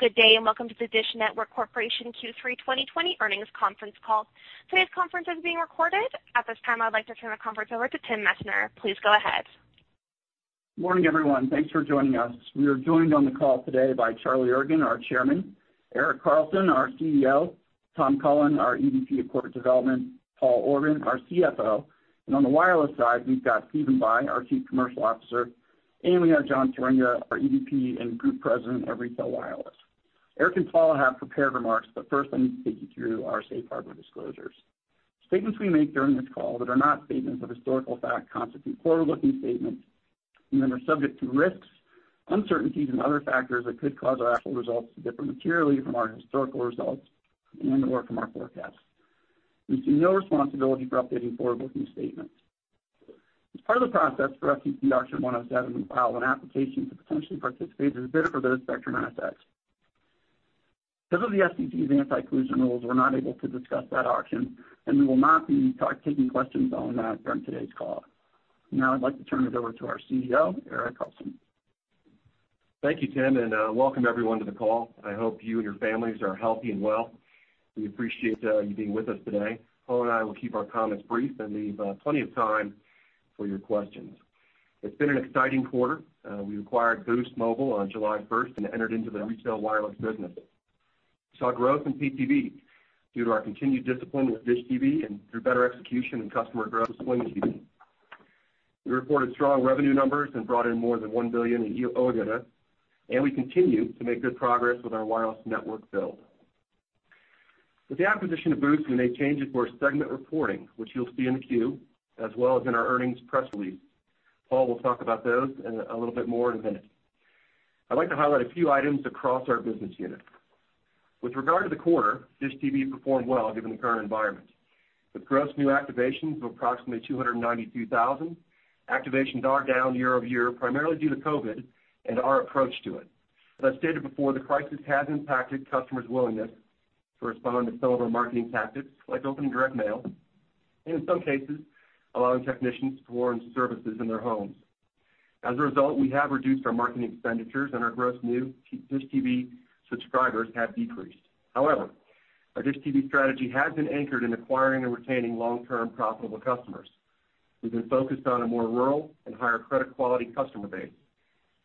Good day, welcome to the DISH Network Corporation Q3 2020 earnings conference call. Today's conference is being recorded. At this time, I'd like to turn the conference over to Tim Messner. Please go ahead. Morning, everyone. Thanks for joining us. We are joined on the call today by Charlie Ergen, our Chairman, Erik Carlson, our CEO, Tom Cullen, our EVP of Corporate Development, Paul Orban, our CFO, and on the wireless side, we've got Stephen Bye, our Chief Commercial Officer, and we have John Swieringa, our EVP and Group President of Retail Wireless. Erik and Paul have prepared remarks, but first, I need to take you through our safe harbor disclosures. Statements we make during this call that are not statements of historical fact constitute forward-looking statements and then are subject to risks, uncertainties and other factors that could cause our actual results to differ materially from our historical results and/or from our forecasts. We assume no responsibility for updating forward-looking statements. As part of the process for FCC Auction 107, we filed an application to potentially participate as a bidder for those spectrum assets. Because of the FCC's anti-collusion rules, we're not able to discuss that auction, and we will not be taking questions on that during today's call. I'd like to turn it over to our CEO, Erik Carlson. Thank you, Tim, welcome everyone to the call. I hope you and your families are healthy and well. We appreciate you being with us today. Paul and I will keep our comments brief and leave plenty of time for your questions. It's been an exciting quarter. We acquired Boost Mobile on July 1st and entered into the retail wireless business. We saw growth in Pay-TV due to our continued discipline with DISH TV and through better execution and customer growth with Sling TV. We reported strong revenue numbers and brought in more than $1 billion in EBITDA, and we continue to make good progress with our wireless network build. With the acquisition of Boost, we made changes to our segment reporting, which you'll see in the Q, as well as in our earnings press release. Paul will talk about those in a little bit more in a minute. I'd like to highlight a few items across our business unit. With regard to the quarter, DISH TV performed well given the current environment. With gross new activations of approximately 292,000, activations are down year-over-year, primarily due to COVID and our approach to it. As I stated before, the crisis has impacted customers' willingness to respond to some of our marketing tactics, like opening direct mail, and in some cases, allowing technicians to perform services in their homes. As a result, we have reduced our marketing expenditures and our gross new DISH TV subscribers have decreased. Our DISH TV strategy has been anchored in acquiring and retaining long-term profitable customers. We've been focused on a more rural and higher credit quality customer base,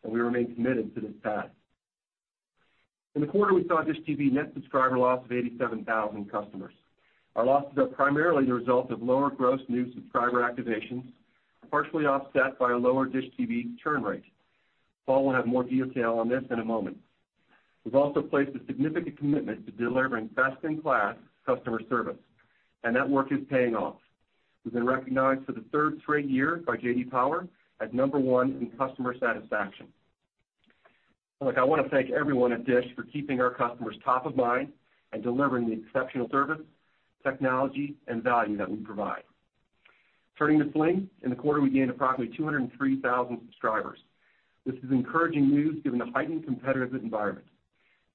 and we remain committed to this path. In the quarter, we saw a DISH TV net subscriber loss of 87,000 customers. Our losses are primarily the result of lower gross new subscriber activations, partially offset by a lower DISH TV churn rate. Paul will have more detail on this in a moment. We've also placed a significant commitment to delivering best-in-class customer service, and that work is paying off. We've been recognized for the third straight year by J.D. Power as number one in customer satisfaction. Look, I wanna thank everyone at DISH for keeping our customers top of mind and delivering the exceptional service, technology, and value that we provide. Turning to Sling, in the quarter, we gained approximately 203,000 subscribers. This is encouraging news given the heightened competitive environment.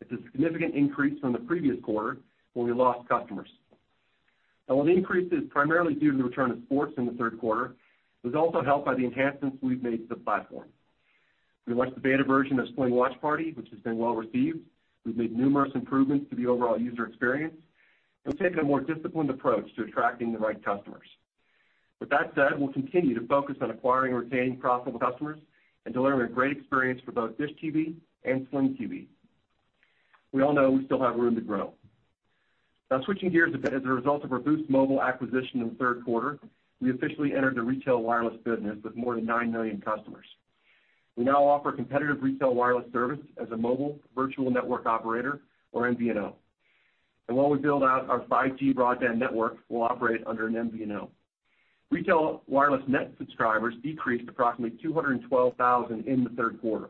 It's a significant increase from the previous quarter where we lost customers. The increase is primarily due to the return of sports in the third quarter. It was also helped by the enhancements we've made to the platform. We launched the beta version of Sling Watch Party, which has been well-received. We've made numerous improvements to the overall user experience and taken a more disciplined approach to attracting the right customers. With that said, we'll continue to focus on acquiring and retaining profitable customers and delivering a great experience for both DISH TV and Sling TV. We all know we still have room to grow. Switching gears a bit, as a result of our Boost Mobile acquisition in the third quarter, we officially entered the retail wireless business with more than 9 million customers. We now offer competitive retail wireless service as a mobile virtual network operator, or MVNO. While we build out our 5G broadband network, we'll operate under an MVNO. Retail wireless net subscribers decreased approximately 212,000 in the third quarter.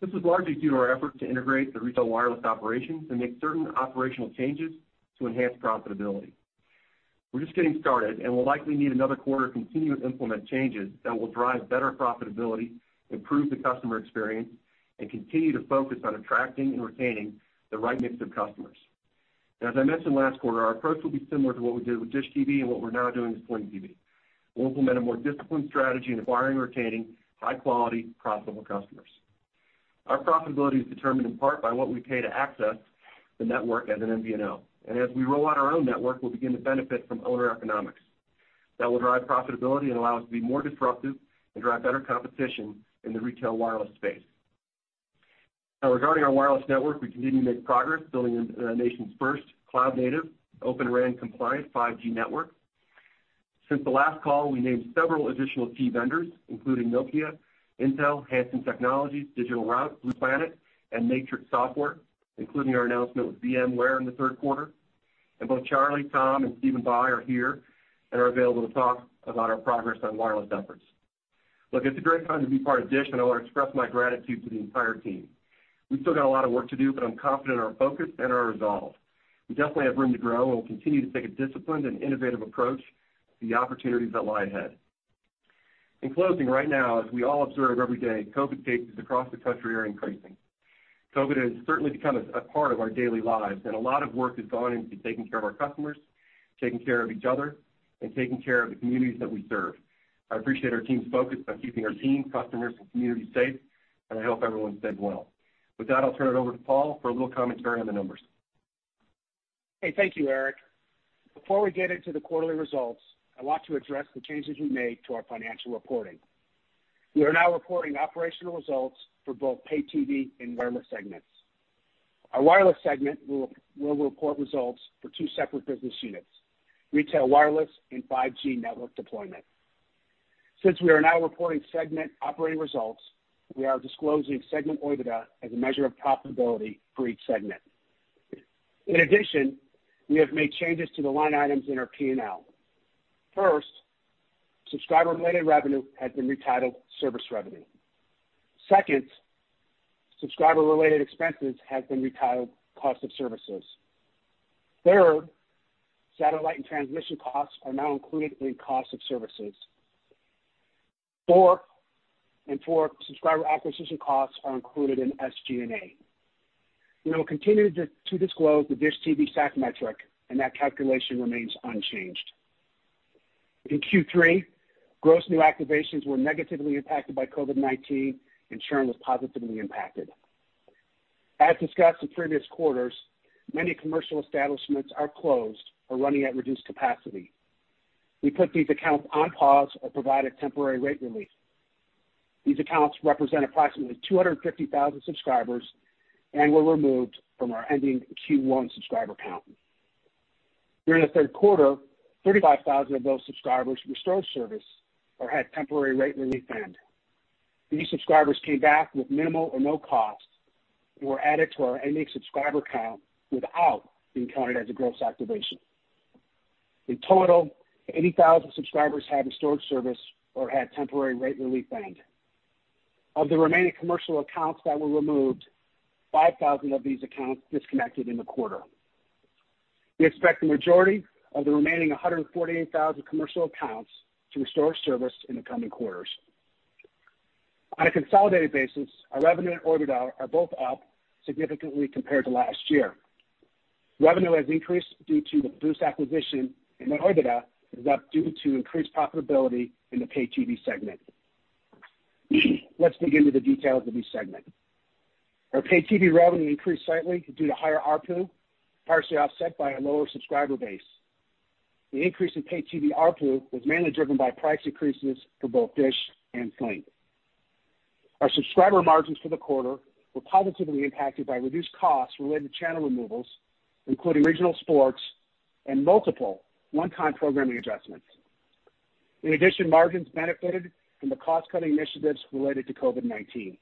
This was largely due to our effort to integrate the retail wireless operations and make certain operational changes to enhance profitability. We're just getting started and will likely need another quarter to continue to implement changes that will drive better profitability, improve the customer experience, and continue to focus on attracting and retaining the right mix of customers. As I mentioned last quarter, our approach will be similar to what we did with DISH TV and what we're now doing with Sling TV. We'll implement a more disciplined strategy in acquiring and retaining high-quality, profitable customers. Our profitability is determined in part by what we pay to access the network as an MVNO. As we roll out our own network, we'll begin to benefit from owner economics. That will drive profitability and allow us to be more disruptive and drive better competition in the retail wireless space. Regarding our wireless network, we continue to make progress building a nation's first cloud-native, Open RAN compliant 5G network. Since the last call, we named several additional key vendors, including Nokia, Intel, Hansen Technologies, DigitalRoute, Blue Planet, and MATRIXX Software, including our announcement with VMware in the third quarter. Both Charlie, Tom and Stephen Bye are here and are available to talk about our progress on wireless efforts. It's a great time to be part of DISH, and I want to express my gratitude to the entire team. We've still got a lot of work to do, but I'm confident in our focus and our resolve. We definitely have room to grow. We'll continue to take a disciplined and innovative approach to the opportunities that lie ahead. In closing, right now, as we all observe every day, COVID cases across the country are increasing. COVID has certainly become a part of our daily lives. A lot of work has gone into taking care of our customers. Taking care of each other and taking care of the communities that we serve. I appreciate our team's focus on keeping our team, customers, and community safe, and I hope everyone's stayed well. With that, I'll turn it over to Paul for a little commentary on the numbers. Hey, thank you, Erik. Before we get into the quarterly results, I want to address the changes we made to our financial reporting. We are now reporting operational results for both Pay-TV and wireless segments. Our wireless segment will report results for two separate business units, retail wireless and 5G network deployment. Since we are now reporting segment operating results, we are disclosing segment OIBDA as a measure of profitability for each segment. In addition, we have made changes to the line items in our P&L. First, subscriber-related revenue has been retitled service revenue. Second, subscriber-related expenses have been retitled cost of services. Third, satellite and transmission costs are now included in cost of services. Four, subscriber acquisition costs are included in SG&A. We will continue to disclose the DISH TV SAC metric, that calculation remains unchanged. In Q3, gross new activations were negatively impacted by COVID-19 and churn was positively impacted. As discussed in previous quarters, many commercial establishments are closed or running at reduced capacity. We put these accounts on pause or provided temporary rate relief. These accounts represent approximately 250,000 subscribers and were removed from our ending Q1 subscriber count. During the third quarter, 35,000 of those subscribers restored service or had temporary rate relief end. These subscribers came back with minimal or no cost and were added to our ending subscriber count without being counted as a gross activation. In total, 80,000 subscribers had restored service or had temporary rate relief end. Of the remaining commercial accounts that were removed, 5,000 of these accounts disconnected in the quarter. We expect the majority of the remaining 148,000 commercial accounts to restore service in the coming quarters. On a consolidated basis, our revenue and OIBDA are both up significantly compared to last year. Revenue has increased due to the Boost acquisition, and the OIBDA is up due to increased profitability in the Pay-TV segment. Let's dig into the details of each segment. Our Pay-TV revenue increased slightly due to higher ARPU, partially offset by a lower subscriber base. The increase in Pay-TV ARPU was mainly driven by price increases for both DISH and Sling. Our subscriber margins for the quarter were positively impacted by reduced costs related to channel removals, including regional sports and multiple one-time programming adjustments. In addition, margins benefited from the cost-cutting initiatives related to COVID-19.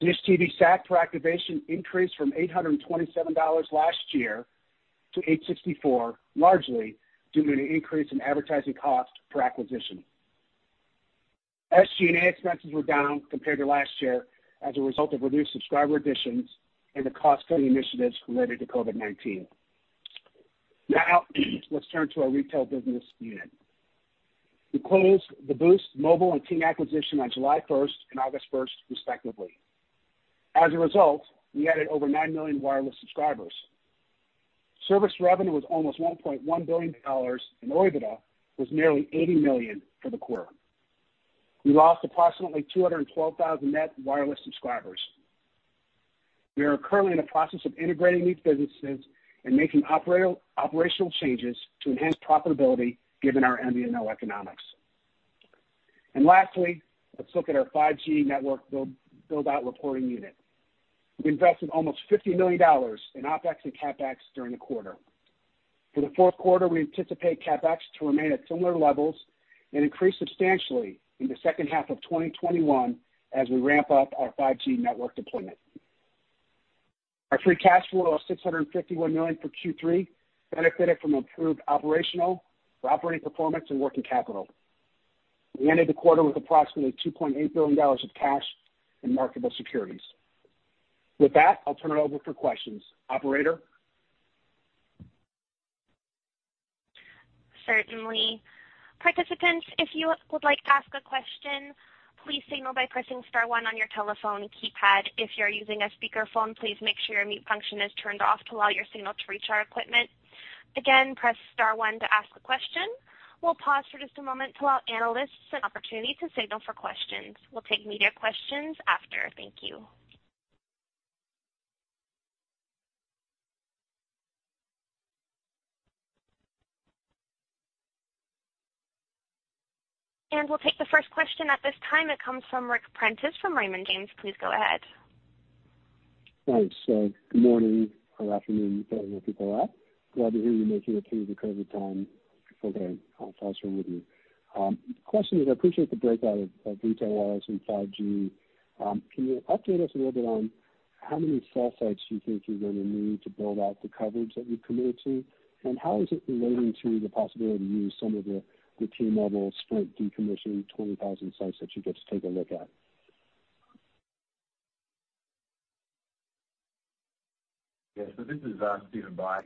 DISH TV SAC per activation increased from $827 last year to $864, largely due to an increase in advertising cost per acquisition. SG&A expenses were down compared to last year as a result of reduced subscriber additions and the cost-cutting initiatives related to COVID-19. Let's turn to our retail business unit. We closed the Boost Mobile and Ting acquisition on July 1st and August 1st, respectively. As a result, we added over 9 million wireless subscribers. Service revenue was almost $1.1 billion, and OIBDA was nearly $80 million for the quarter. We lost approximately 212,000 net wireless subscribers. We are currently in the process of integrating these businesses and making operational changes to enhance profitability given our MVNO economics. Lastly, let's look at our 5G network build-out reporting unit. We invested almost $50 million in OpEx and CapEx during the quarter. For the fourth quarter, we anticipate CapEx to remain at similar levels and increase substantially in the second half of 2021 as we ramp-up our 5G network deployment. Our free cash flow of $651 million for Q3 benefited from improved operating performance and working capital. We ended the quarter with approximately $2.8 billion of cash in marketable securities. With that, I'll turn it over for questions. Operator? We'll take the first question at this time. It comes from Ric Prentiss from Raymond James. Please go ahead. Thanks. Good morning or afternoon, depending on where people are at. Glad to hear you're making it through the COVID-19 time before the call. Also with you. The question is, I appreciate the breakout of retail wireless and 5G. Can you update us a little bit on how many cell sites you think you're gonna need to build out the coverage that you've committed to? How is it relating to the possibility to use some of the T-Mobile Sprint decommissioned 20,000 sites that you get to take a look at? Yeah. This is Stephen Bye.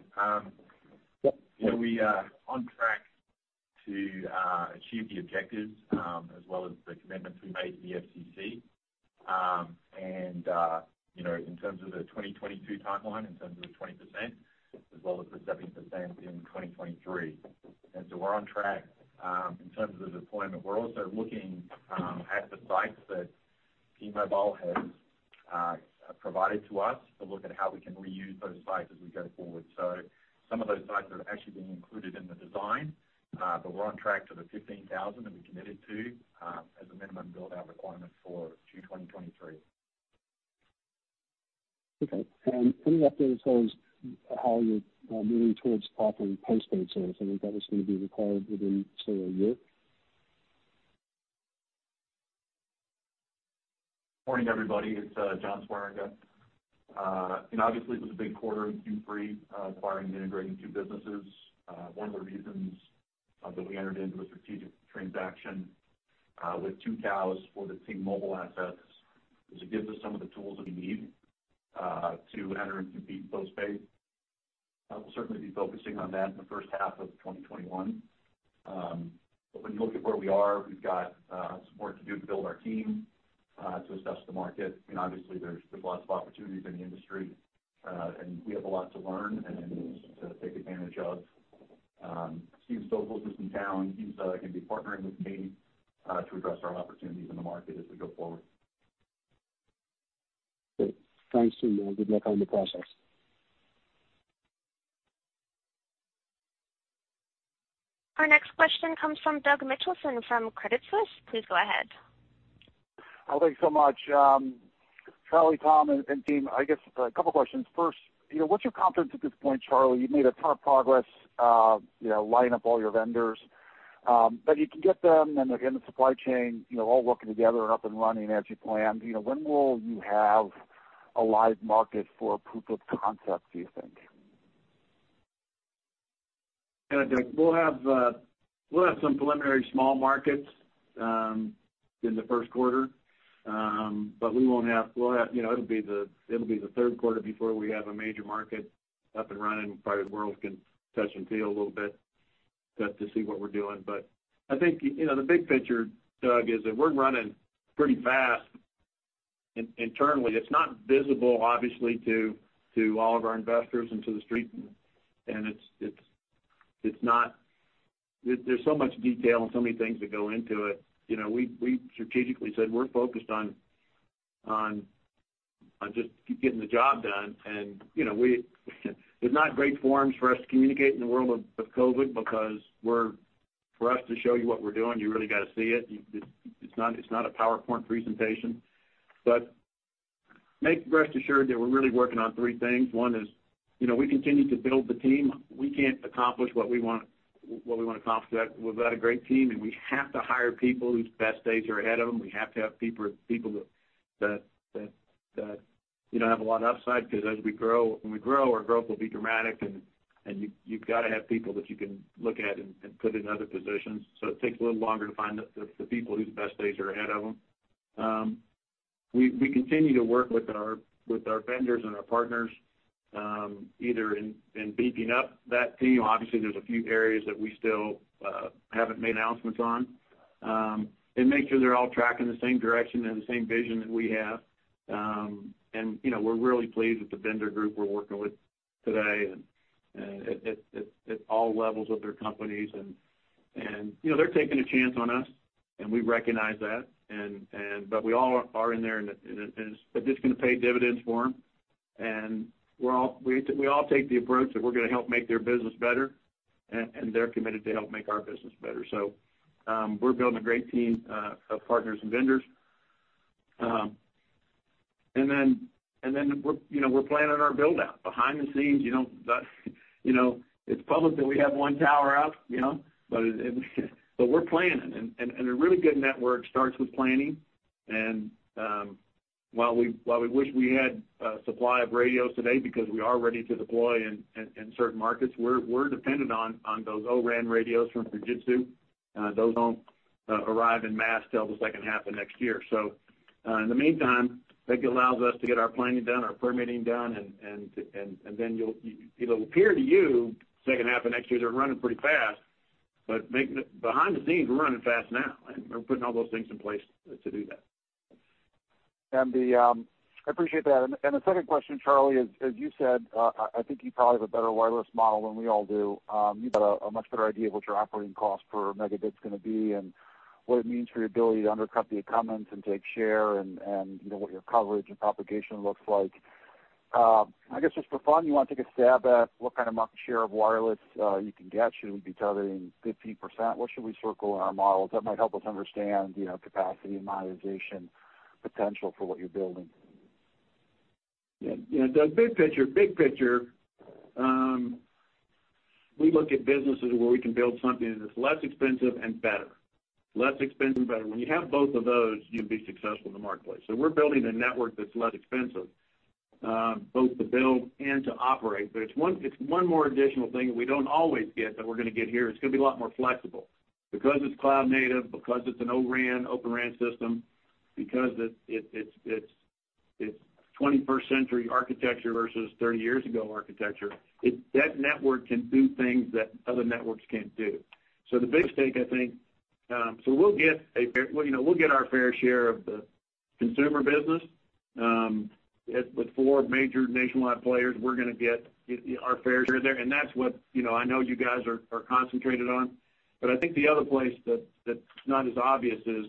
We are on track. To achieve the objectives, as well as the commitments we made to the FCC. You know, in terms of the 2022 timeline, in terms of the 20% as well as the 17% in 2023. We're on track. In terms of the deployment, we're also looking at the sites that T-Mobile has provided to us to look at how we can reuse those sites as we go forward. Some of those sites are actually being included in the design, but we're on track to the 15,000 that we committed to as a minimum build-out requirement for June 2023. Okay. Any update as far as how you're moving towards offering postpaid service? I think that was going to be required within, say, a year. Morning, everybody. It's John Swieringa. You know, obviously, it was a big quarter in Q3, acquiring and integrating two businesses. One of the reasons that we entered into a strategic transaction with Tucows for the T-Mobile assets is it gives us some of the tools that we need to enter and compete postpaid. We'll certainly be focusing on that in the first half of 2021. But when you look at where we are, we've got some work to do to build our team, to assess the market. You know, obviously, there's lots of opportunities in the industry, and we have a lot to learn and to take advantage of. Steve Stokols is in town. He's gonna be partnering with me to address our opportunities in the market as we go forward. Great. Thanks, team, and good luck on the process. Our next question comes from Doug Mitchelson from Credit Suisse. Please go ahead. Thanks so much. Charlie, Tom, and team, I guess a couple questions. First, you know, what's your confidence at this point, Charlie? You've made a ton of progress, you know, lining up all your vendors. You can get them and again, the supply chain, you know, all working together and up and running as you planned. You know, when will you have a live market for proof of concept, do you think? Yeah, Doug, we'll have some preliminary small markets in the first quarter. You know, it'll be the third quarter before we have a major market up and running, probably the world can touch and feel a little bit just to see what we're doing. I think, you know, the big picture, Doug, is that we're running pretty fast internally. It's not visible, obviously, to all of our investors and to the street. There's so much detail and so many things that go into it. You know, we strategically said we're focused on just getting the job done. You know, we there's not great forums for us to communicate in the world of COVID because for us to show you what we're doing, you really got to see it. It's not a PowerPoint presentation. Rest assured that we're really working on three things. One is, you know, we continue to build the team. We can't accomplish what we want to accomplish without a great team, and we have to hire people whose best days are ahead of them. We have to have people that, you know, have a lot of upside because as we grow, when we grow, our growth will be dramatic and you've got to have people that you can look at and put in other positions. It takes a little longer to find the people whose best days are ahead of them. We continue to work with our vendors and our partners, either in beefing up that team. Obviously, there's a few areas that we still haven't made announcements on. Make sure they're all tracking the same direction and the same vision that we have. You know, we're really pleased with the vendor group we're working with today and at all levels of their companies. You know, they're taking a chance on us, and we recognize that. We all are in there, this is gonna pay dividends for them. We all take the approach that we're gonna help make their business better, and they're committed to help make our business better. We're building a great team of partners and vendors. We're, you know, we're planning our build-out. Behind the scenes, you know, it's public that we have one tower up, you know? We're planning and a really good network starts with planning. While we wish we had a supply of radios today because we are ready to deploy in certain markets, we're dependent on those O-RAN radios from Fujitsu. Those won't arrive in mass till the second half of next year. In the meantime, I think it allows us to get our planning done, our permitting done, and then it'll appear to you second half of next year that we're running pretty fast. Behind the scenes, we're running fast now, and we're putting all those things in place to do that. The I appreciate that. The second question, Charlie, as you said, I think you probably have a better wireless model than we all do. You've got a much better idea of what your operating cost per megabit's gonna be and what it means for your ability to undercut the incumbents and take share and you know, what your coverage and propagation looks like. I guess just for fun, you want to take a stab at what kind of market share of wireless you can get? Should we be targeting 15%? What should we circle in our models that might help us understand, you know, capacity and monetization potential for what you're building? Yeah. You know, Doug, big picture, we look at businesses where we can build something that's less expensive and better. Less expensive and better. When you have both of those, you'll be successful in the marketplace. We're building a network that's less expensive, both to build and to operate. It's one more additional thing that we don't always get that we're gonna get here. It's gonna be a lot more flexible. Because it's cloud native, because it's an O-RAN, Open RAN system, because it's 21st century architecture versus 30 years ago architecture. That network can do things that other networks can't do. The big stake, I think, you know, we'll get our fair share of the consumer business, with four major nationwide players, we're gonna get, you know, our fair share there. That's what, you know, I know you guys are concentrated on. I think the other place that's not as obvious is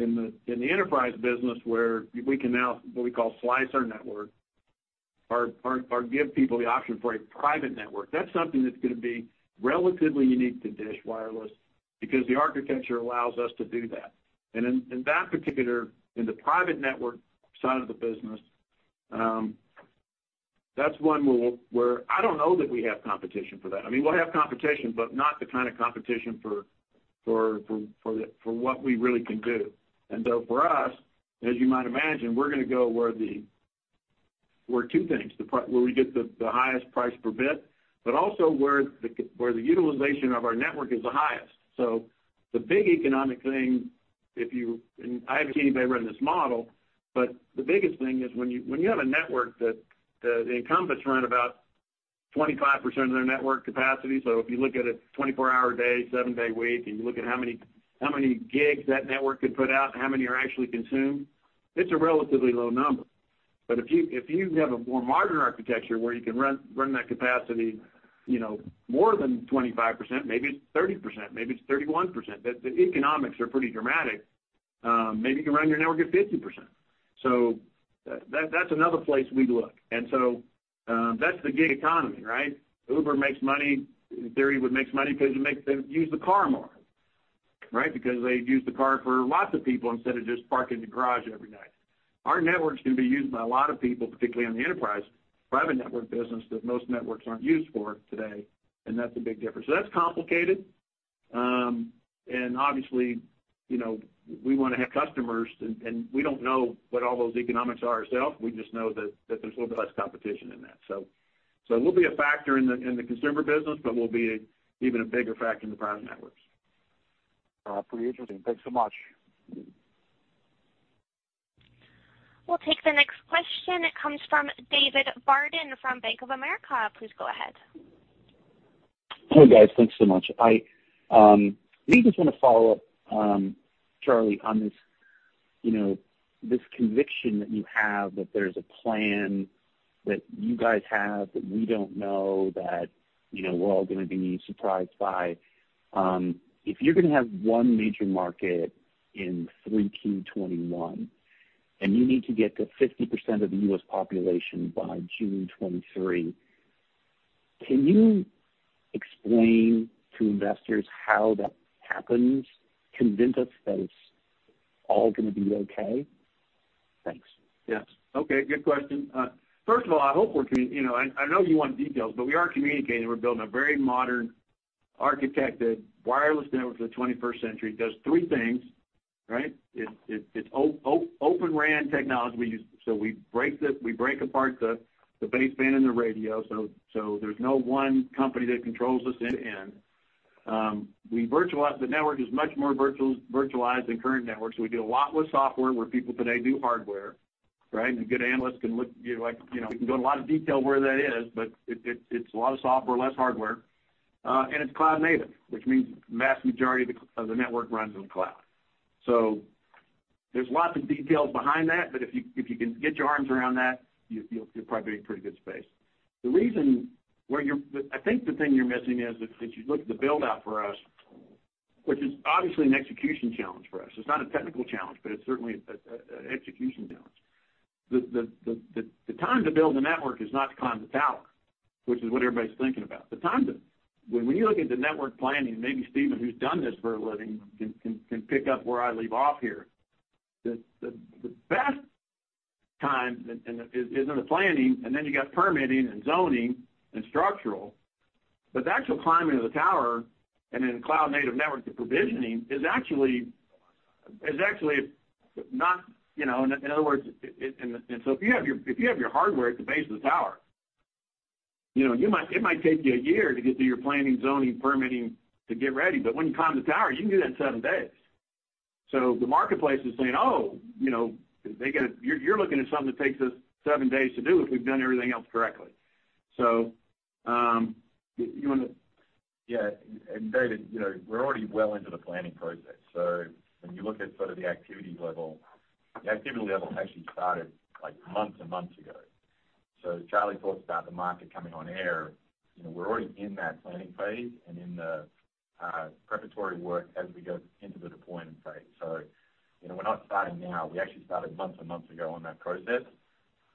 in the enterprise business, where we can now, what we call slice our network or give people the option for a private network. That's something that's gonna be relatively unique to DISH Wireless because the architecture allows us to do that. In that particular, in the private network side of the business, that's one where I don't know that we have competition for that. I mean, we'll have competition, but not the kind of competition for what we really can do. For us, as you might imagine, we're going to go where two things, where we get the highest price per bit, but also where the utilization of our network is the highest. The big economic thing, if you and I haven't seen anybody run this model, but the biggest thing is when you have a network that the incumbents run about 25% of their network capacity. If you look at a 24-hour day, seven-day week, and you look at how many gigs that network could put out and how many are actually consumed, it's a relatively low number. If you have a more modern architecture where you can run that capacity, you know, more than 25%, maybe it's 30%, maybe it's 31%. The economics are pretty dramatic. Maybe you can run your network at 50%. That's another place we'd look. That's the gig economy, right? Uber makes money, in theory, would make money because you make them use the car more, right? They use the car for lots of people instead of just parking the garage every night. Our network's gonna be used by a lot of people, particularly on the enterprise private network business that most networks aren't used for today. That's a big difference. That's complicated. Obviously, you know, we wanna have customers and we don't know what all those economics are ourselves. We just know that there's a little bit less competition in that. We'll be a factor in the consumer business, but we'll be even a bigger factor in the private networks. Pretty interesting. Thanks so much. We'll take the next question. It comes from David Barden from Bank of America. Please go ahead. Hey, guys. Thanks so much. I maybe just wanna follow-up, Charlie, on this, you know, this conviction that you have, that there's a plan that you guys have that we don't know that, you know, we're all gonna be surprised by. If you're gonna have one major market in three Q 2021, and you need to get to 50% of the U.S. population by June 2023, can you explain to investors how that happens? Convince us that it's all gonna be okay? Thanks. Yes. Okay. Good question. First of all, I hope we're communicating. You know, I know you want details, but we are communicating. We're building a very modern architected wireless network for the 21st century. It does three things, right? It's Open RAN technology we use. We break apart the baseband and the radio. There's no one company that controls us end to end. The network is much more virtualized than current networks. We do a lot with software where people today do hardware, right? A good analyst can look, you know, like, you know, we can go in a lot of detail where that is, but it's a lot of software, less hardware. It's cloud native, which means the vast majority of the network runs on cloud. There's lots of details behind that, but if you, if you can get your arms around that, you'll probably be in pretty good space. The reason I think the thing you're missing is if you look at the build-out for us, which is obviously an execution challenge for us. It's not a technical challenge, but it's certainly an execution challenge. The time to build the network is not to climb the tower, which is what everybody's thinking about. When, when you look at the network planning, maybe Stephen, who's done this for a living, can pick up where I leave off here. The best time in the planning, and then you got permitting and zoning and structural. The actual climbing of the tower and then cloud native network to provisioning is actually not, in other words, if you have your hardware at the base of the tower, it might take you a year to get through your planning, zoning, permitting to get ready, but when you climb the tower, you can do that in seven days. The marketplace is saying, you're looking at something that takes us seven days to do if we've done everything else correctly. You wanna? Yeah. David, you know, we're already well into the planning process. When you look at sort of the activity level, the activity level actually started like months and months ago. Charlie talks about the market coming on air, you know, we're already in that planning phase and in the preparatory work as we go into the deployment phase. You know, we're not starting now. We actually started months and months ago on that process.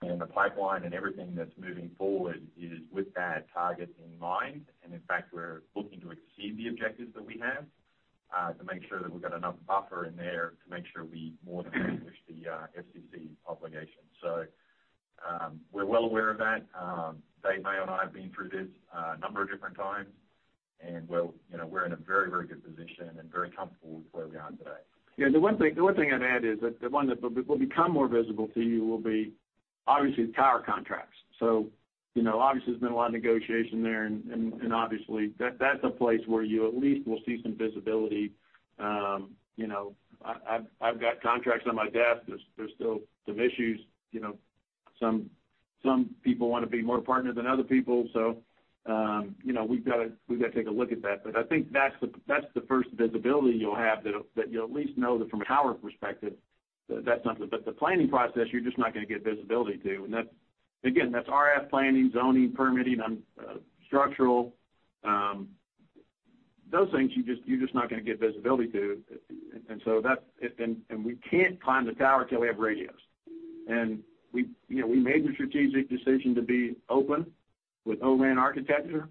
The pipeline and everything that's moving forward is with that target in mind. In fact, we're looking to exceed the objectives that we have to make sure that we've got enough buffer in there to make sure we more than establish the FCC obligation. We're well aware of that. Dave Mayo and I have been through this a number of different times, and we're, you know, we're in a very, very good position and very comfortable with where we are today. The one thing I'd add is that the one that will become more visible to you will be. Obviously, tower contracts. you know, obviously there's been a lot of negotiation there, and obviously that's a place where you at least will see some visibility. you know, I've got contracts on my desk. There's still some issues, you know. Some people wanna be more partner than other people. you know, we've gotta take a look at that. I think that's the first visibility you'll have that you'll at least know that from a tower perspective, that that's something. The planning process, you're just not gonna get visibility to. That's, again, that's RF planning, zoning, permitting, structural, those things you're just not gonna get visibility to. We can't climb the tower till we have radios. We, you know, we made the strategic decision to be open with O-RAN architecture.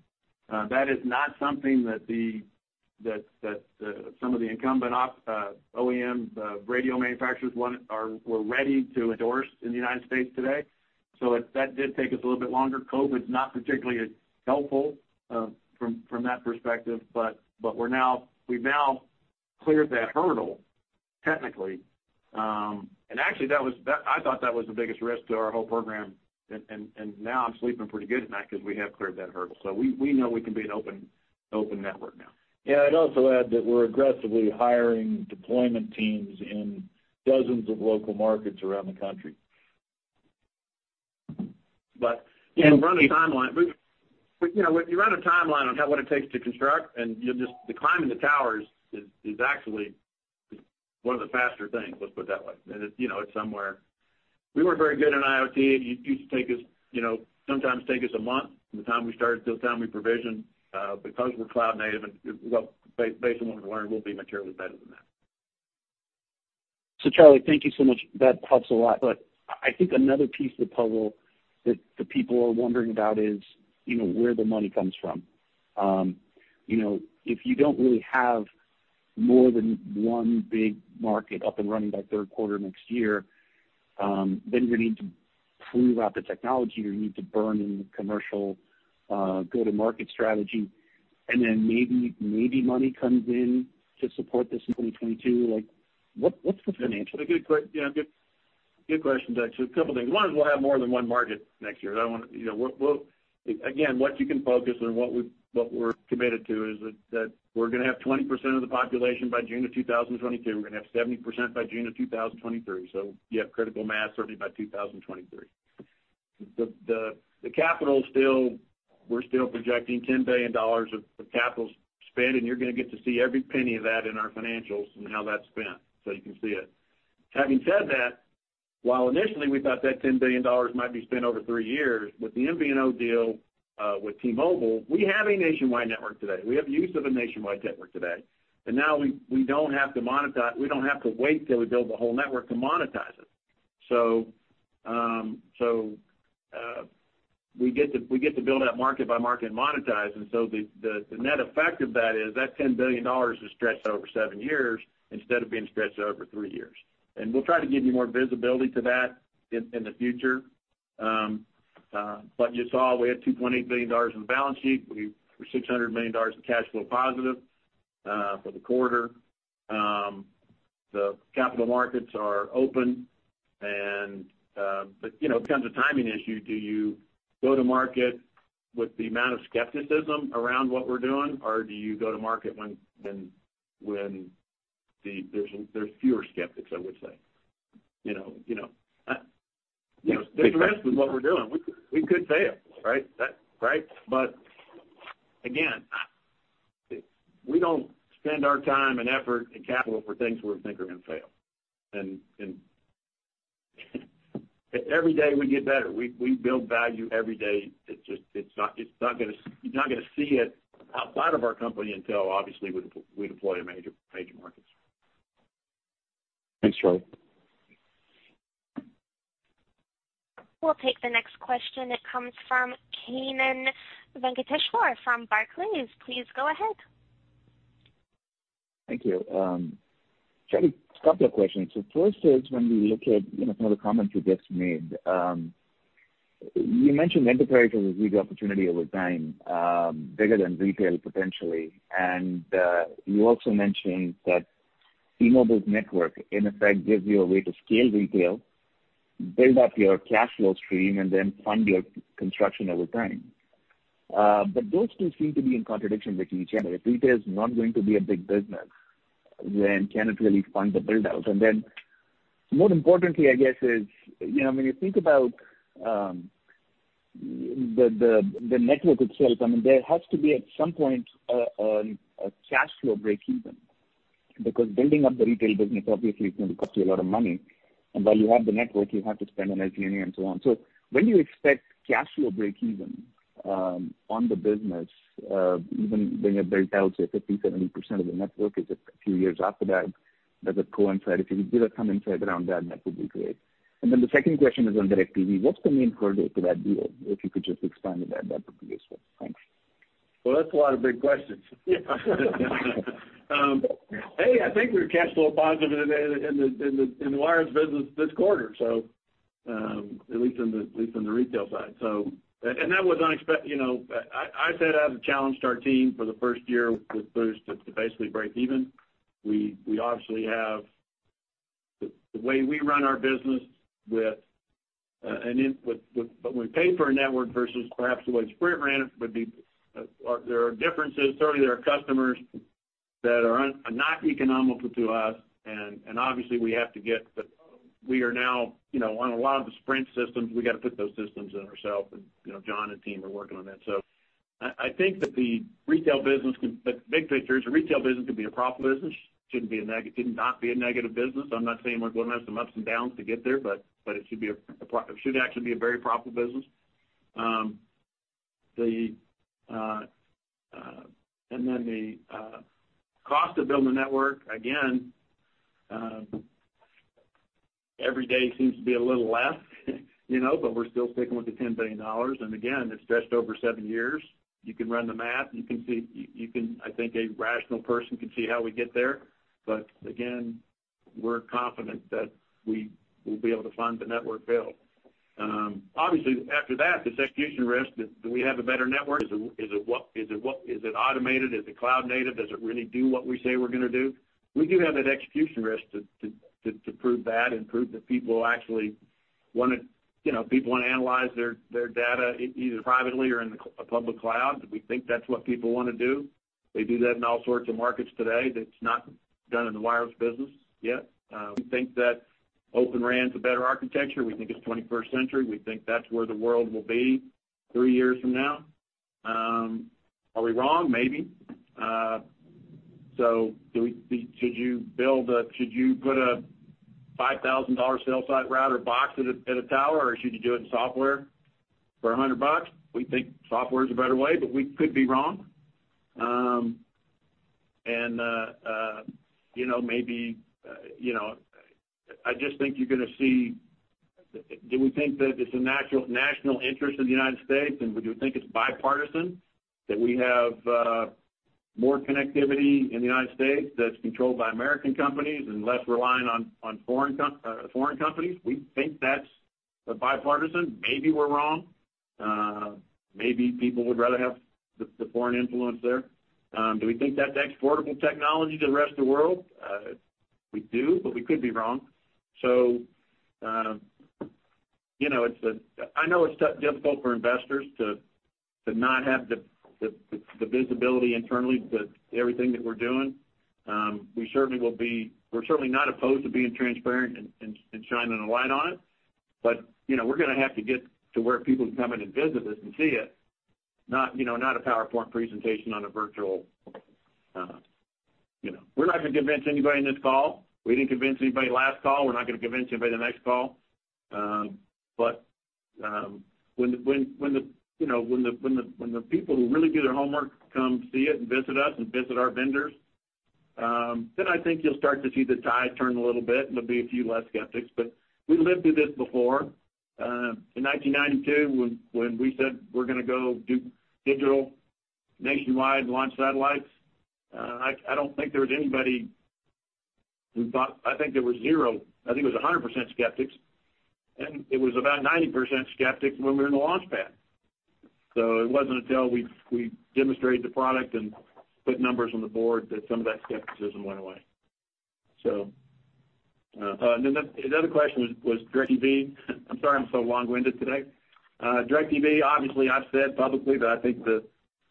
That is not something that the some of the incumbent OEM radio manufacturers were ready to endorse in the United States today. That did take us a little bit longer. COVID's not particularly helpful from that perspective, but we've now cleared that hurdle technically. Actually, I thought that was the biggest risk to our whole program. Now I'm sleeping pretty good at night 'cause we have cleared that hurdle. We know we can be an open network now. Yeah. I'd also add that we're aggressively hiring deployment teams in dozens of local markets around the country. You know, run a timeline. You know, when you run a timeline on kind of what it takes to construct, the climbing the towers is actually one of the faster things, let's put it that way. It, you know, it's somewhere we weren't very good at IoT. It used to take us, you know, sometimes take us a month from the time we started till the time we provisioned. Because we're cloud native and, well, based on what we've learned, we'll be materially better than that. Charlie, thank you so much. That helps a lot. I think another piece of the puzzle that the people are wondering about is, you know, where the money comes from. you know, if you don't really have more than one big market up and running by third quarter next year, then you'll need to prove out the technology, you need to burn in the commercial go-to-market strategy, and then maybe money comes in to support this in 2022. What's the financial? Yeah, good question, David. A couple things. One is we'll have more than one market next year. You know, again, what you can focus on, what we, what we're committed to is that we're gonna have 20% of the population by June 2022. We're gonna have 70% by June 2023. You have critical mass certainly by 2023. The capital's still, we're still projecting $10 billion of capital spend, and you're gonna get to see every penny of that in our financials and how that's spent, so you can see it. Having said that, while initially we thought that $10 billion might be spent over three years, with the MVNO deal with T-Mobile, we have a nationwide network today. We have use of a nationwide network today. We don't have to wait till we build the whole network to monetize it. We get to build out market by market and monetize. The net effect of that is that $10 billion is stretched over seven years instead of being stretched over three years. We'll try to give you more visibility to that in the future. You saw we had $2.8 billion in the balance sheet. We were $600 million of cash flow positive for the quarter. The capital markets are open, you know, it becomes a timing issue. Do you go to market with the amount of skepticism around what we're doing? Or do you go to market when there's fewer skeptics, I would say. You know, you know, you know, there's a risk with what we're doing. We could fail, right? Right? Again, we don't spend our time and effort and capital for things we think are gonna fail. Every day we get better. We build value every day. It's just, it's not gonna, you're not gonna see it outside of our company until obviously we deploy to major markets. Thanks, Charlie. We'll take the next question. It comes from Kannan Venkateshwar from Barclays. Please go ahead. Thank you. Charlie, a couple of questions. First is when we look at, you know, some of the comments you just made, you mentioned enterprise as a big opportunity over time, bigger than retail potentially. You also mentioned that T-Mobile's network, in effect, gives you a way to scale retail, build up your cash flow stream, and then fund your construction over time. Those two seem to be in contradiction with each other. If retail is not going to be a big business, can it really fund the build-out? More importantly, I guess, is, you know, when you think about the network itself, I mean, there has to be at some point a cash flow breakeven. Because building up the retail business obviously is gonna cost you a lot of money. While you have the network, you have to spend on LTE and so on. When do you expect cash flow breakeven on the business, even when you have built out, say, 50%, 70% of the network? Is it a few years after that? Does it coincide? If you could give a comment around that would be great. The second question is on DIRECTV. What's the main hurdle to that deal? If you could just expand on that would be useful. Thanks. That's a lot of big questions. I think we're cash flow positive in the wireless business this quarter, at least in the retail side. And that was, you know, I set out to challenge our team for the first year with Boost to basically break even. We obviously have the way we run our business, but we pay for a network versus perhaps the way Sprint ran it would be or there are differences. Certainly, there are customers that are not economical to us, and obviously we have to get, but we are now, you know, on a lot of the Sprint systems, we gotta put those systems in ourselves and, you know, John and team are working on that. I think big picture is the retail business can be a profitable business, should not be a negative business. I'm not saying we're gonna have some ups and downs to get there, but it should be a profitable business, it should actually be a very profitable business. The cost to build the network, again, every day seems to be a little less, you know, but we're still sticking with the $10 billion. Again, it's stretched over seven years. You can run the math, I think a rational person can see how we get there. Again, we're confident that we will be able to fund the network build. Obviously after that, there's execution risk. Do we have a better network? Is it, is it what, is it automated? Is it cloud native? Does it really do what we say we're gonna do? We do have that execution risk to prove that and prove that people actually wanna, you know, people wanna analyze their data either privately or in a public cloud. We think that's what people wanna do. They do that in all sorts of markets today, that's not done in the wireless business yet. We think that Open RAN is a better architecture. We think it's 21st century. We think that's where the world will be three years from now. Are we wrong? Maybe. Should you put a $5,000 cell site router box at a tower, or should you do it in software for $100? We think software is a better way, but we could be wrong. You know, maybe, you know, do we think that it's a national interest of the United States, and would you think it's bipartisan that we have more connectivity in the United States that's controlled by American companies and less reliant on foreign companies? We think that's bipartisan. Maybe we're wrong. Maybe people would rather have the foreign influence there. Do we think that's exportable technology to the rest of the world? We do, but we could be wrong. You know, I know it's difficult for investors to not have the visibility internally to everything that we're doing. We're certainly not opposed to being transparent and shining a light on it. You know, we're gonna have to get to where people can come in and visit us and see it, not, you know, not a PowerPoint presentation on a virtual, you know. We're not gonna convince anybody in this call. We didn't convince anybody last call. We're not gonna convince anybody the next call. When the people who really do their homework come see it and visit us and visit our vendors, then I think you'll start to see the tide turn a little bit and there'll be a few less skeptics. We lived through this before. In 1992, when we said we're gonna go do digital nationwide and launch satellites, I don't think there was anybody who bought I think there was zero. I think it was 100% skeptics, and it was about 90% skeptics when we were in the launchpad. It wasn't until we demonstrated the product and put numbers on the board that some of that skepticism went away. Another question was DIRECTV. I'm sorry I'm so long-winded today. DIRECTV, obviously, I've said publicly that I think the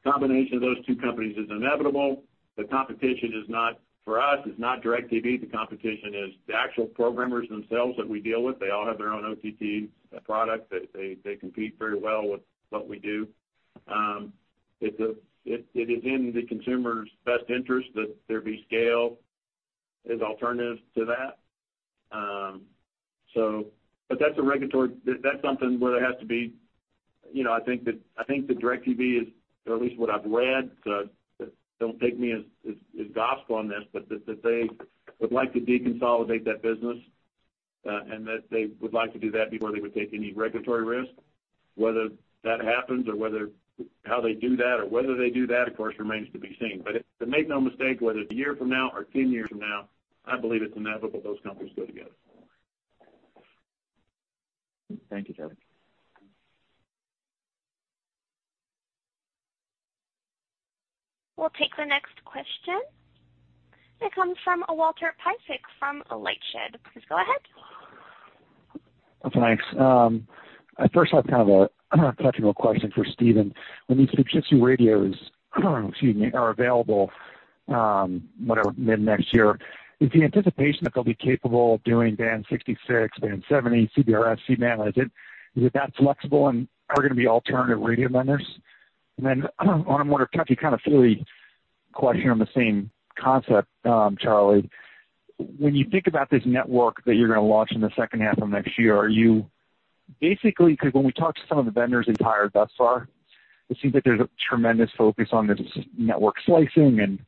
combination of those two companies is inevitable. The competition is not for us, it's not DIRECTV, the competition is the actual programmers themselves that we deal with. They all have their own OTT product. They compete very well with what we do. It is in the consumer's best interest that there be scale as alternative to that. That's something where there has to be, you know, I think that DIRECTV is, or at least what I've read, don't take me as gospel on this, but that they would like to deconsolidate that business, and that they would like to do that before they would take any regulatory risk. Whether that happens or whether how they do that or whether they do that, of course, remains to be seen. Make no mistake, whether it's a year from now or 10 years from now, I believe it's inevitable those companies go together. Thank you, Charlie. We'll take the next question. It comes from Walter Piecyk from LightShed. Please go ahead. Thanks. I first have kind of a technical question for Stephen. When these Fujitsu radios, excuse me, are available, whatever, mid-next year, is the anticipation that they'll be capable of doing band 66, band 70, CBRS, C-band, is it, is it that flexible, and are there gonna be alternative radio vendors? I have kind of a silly question on the same concept, Charlie. When you think about this network that you're gonna launch in the second half of next year, 'cause when we talk to some of the vendors that you've hired thus far, it seems like there's a tremendous focus on this network slicing and,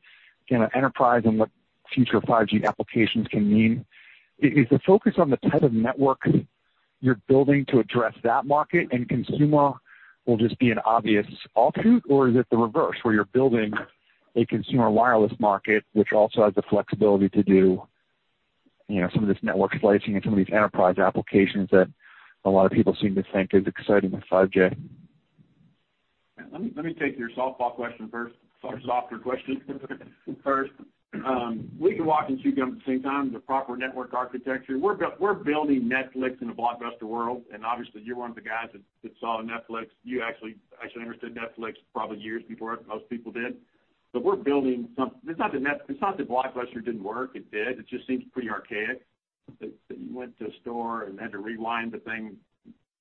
you know, enterprise and what future 5G applications can mean. Is the focus on the type of network you're building to address that market and consumer will just be an obvious offshoot? Is it the reverse, where you're building a consumer wireless market, which also has the flexibility to do, you know, some of this network slicing and some of these enterprise applications that a lot of people seem to think is exciting with 5G? Let me take your softball question first, softer question first. We can walk and chew gum at the same time, the proper network architecture. We're building Netflix in a Blockbuster world, obviously you're one of the guys that saw Netflix. You actually understood Netflix probably years before most people did. We're building something. It's not that Blockbuster didn't work, it did. It just seems pretty archaic that you went to a store and had to rewind the thing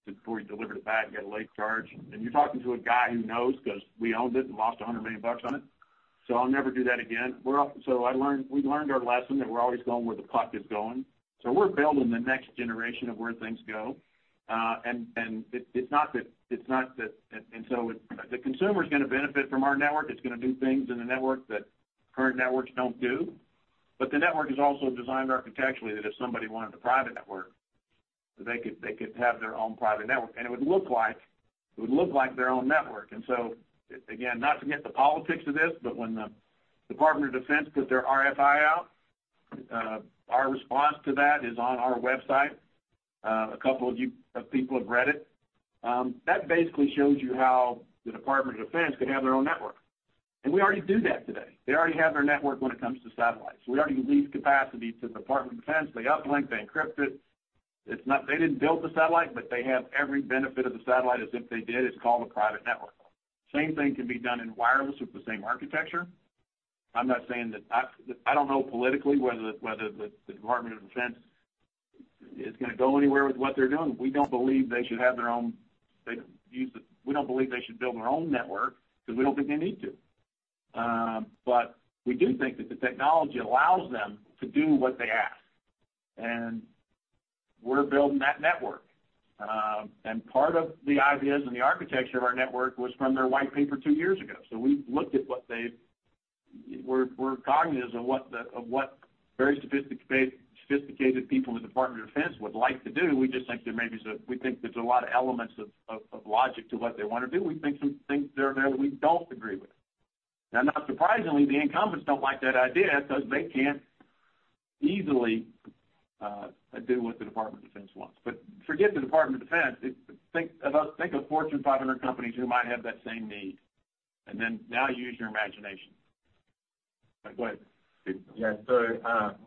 before you delivered it back, get a late charge. You're talking to a guy who knows because we owned it and lost $100 million on it, so I'll never do that again. We learned our lesson that we're always going where the puck is going. We're building the next generation of where things go. The consumer is gonna benefit from our network. It's gonna do things in the network that current networks don't do. The network is also designed architecturally that if somebody wanted a private network, they could have their own private network, and it would look like their own network. Again, not to get the politics of this, but when the Department of Defense put their RFI out, our response to that is on our website. A couple of you people have read it. That basically shows you how the Department of Defense could have their own network. We already do that today. They already have their network when it comes to satellites. We already lease capacity to the Department of Defense. They uplink, they encrypt it. They didn't build the satellite, they have every benefit of the satellite as if they did. It's called a private network. Same thing can be done in wireless with the same architecture. I'm not saying that I don't know politically whether the Department of Defense is gonna go anywhere with what they're doing. We don't believe they should build their own network because we don't think they need to. We do think that the technology allows them to do what they ask, we're building that network. Part of the ideas and the architecture of our network was from their white paper two years ago. We're cognizant of what very sophisticated people in the Department of Defense would like to do. We think there's a lot of elements of logic to what they want to do. We think some things there that we don't agree with. Not surprisingly, the incumbents don't like that idea because they can't easily do what the Department of Defense wants. Forget the Department of Defense. Think of us, think of Fortune 500 companies who might have that same need, and then now use your imagination. Go ahead, Steve.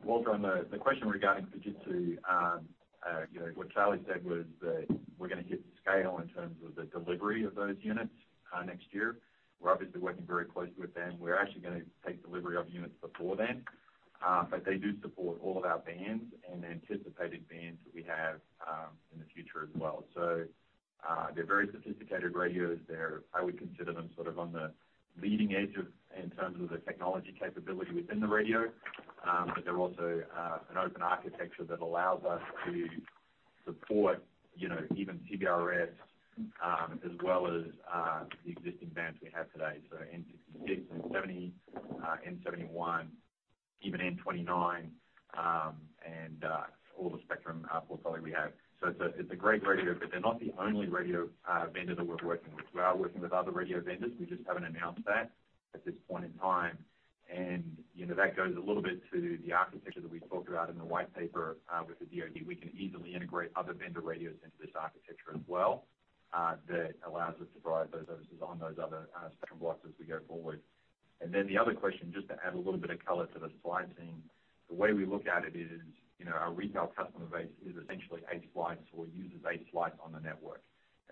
Walter, on the question regarding Fujitsu, you know, what Charlie said was that we're gonna hit scale in terms of the delivery of those units next year. We're obviously working very closely with them. We're actually gonna take delivery of units before then. But they do support all of our bands and the anticipated bands that we have in the future as well. They're very sophisticated radios. I would consider them sort of on the leading edge of in terms of the technology capability within the radio. But they're also an open architecture that allows us to support, you know, even CBRS, as well as the existing bands we have today. N66, n70, n71, even n29, and all the spectrum portfolio we have. It's a great radio, but they're not the only radio vendor that we're working with. We are working with other radio vendors. We just haven't announced that at this point in time. You know, that goes a little bit to the architecture that we talked about in the white paper with the DoD. We can easily integrate other vendor radios into this architecture as well that allows us to provide those services on those other spectrum blocks as we go forward. The other question, just to add a little bit of color to the slicing. The way we look at it is, you know, our retail customer base is essentially eight slices or uses eight slice on the network.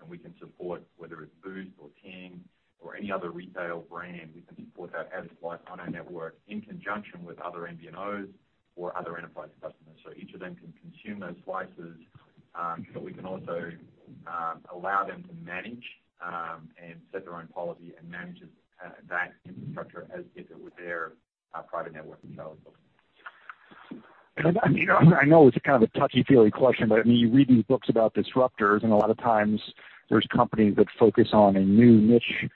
We can support, whether it's Boost or Ting or any other retail brand, we can support that as a slice on our network in conjunction with other MVNOs or other enterprise customers. Each of them can consume those slices, but we can also allow them to manage and set their own policy and manage it, that infrastructure as if it were their private network themselves. You know, I know it's kind of a touchy-feely question, but, I mean, you read these books about disruptors, and a lot of times there's companies that focus on a new niche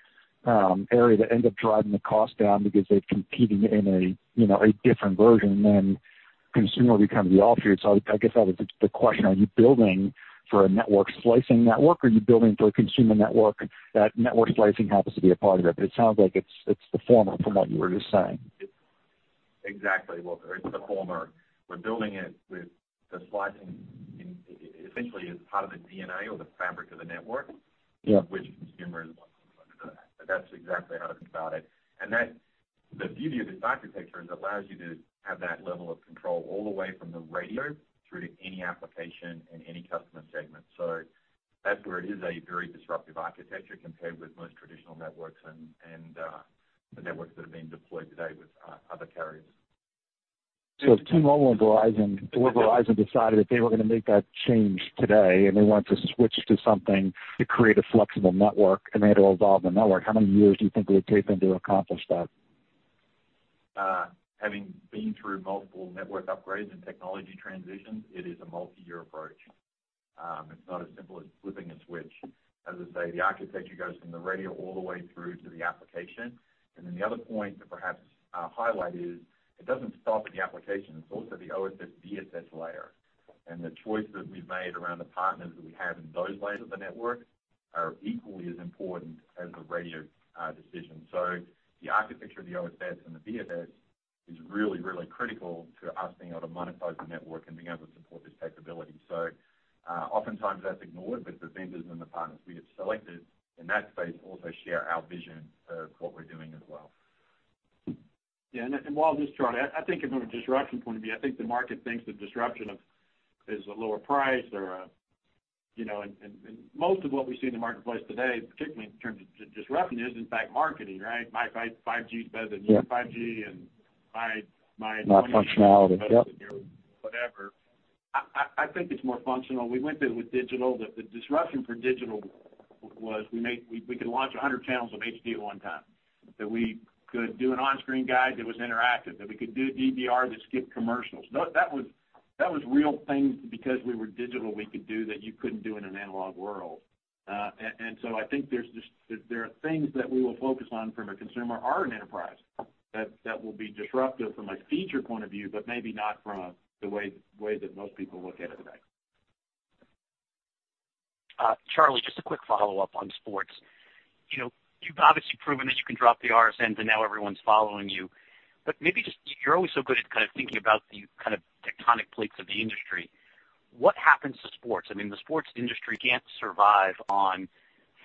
area that end up driving the cost down because they're competing in a, you know, a different version, and then consumer becomes the offshoot. I guess that was the question. Are you building for a network slicing network, or are you building for a consumer network that network slicing happens to be a part of it? It sounds like it's the former from what you were just saying. Exactly, Walter. It's the former. We're building it with the slicing in, essentially as part of the DNA or the fabric of the network- Yeah. Which consumers want to look at. That's exactly how to think about it. The beauty of this architecture is it allows you to have that level of control all the way from the radio through to any application and any customer segment. That's where it is a very disruptive architecture compared with most traditional networks and the networks that are being deployed today with other carriers. If T-Mobile and Verizon or Verizon decided that they were going to make that change today, and they wanted to switch to something to create a flexible network, and they had to evolve the network, how many years do you think it would take them to accomplish that? Having been through multiple network upgrades and technology transitions, it is a multi-year approach. It's not as simple as flipping a switch. As I say, the architecture goes from the radio all the way through to the application. The other point to perhaps highlight is it doesn't stop at the application. It's also the OSS/BSS layer. The choices we've made around the partners that we have in those layers of the network are equally as important as the radio decision. The architecture of the OSS and the BSS really critical to us being able to monetize the network and being able to support this capability. Oftentimes that's ignored, but the vendors and the partners we have selected in that space also share our vision of what we're doing as well. Yeah. Walter, this is Charlie, I think from a disruption point of view, I think the market thinks the disruption is a lower price or a, you know. Most of what we see in the marketplace today, particularly in terms of disruption, is in fact marketing, right? My 5G is better than your 5G and my whatever. I think it's more functional. We went through it with digital, that the disruption for digital was we could launch 100 channels of HD at one time. That we could do an on-screen guide that was interactive, that we could do a DVR that skipped commercials. No, that was real things that because we were digital, we could do that you couldn't do in an analog world. I think there are things that we will focus on from a consumer or an enterprise that will be disruptive from a feature point of view, but maybe not from the way that most people look at it today. Charlie, just a quick follow-up on sports. You know, you've obviously proven that you can drop the RSNs and now everyone's following you. You're always so good at kind of thinking about the kind of tectonic plates of the industry. What happens to sports? I mean, the sports industry can't survive on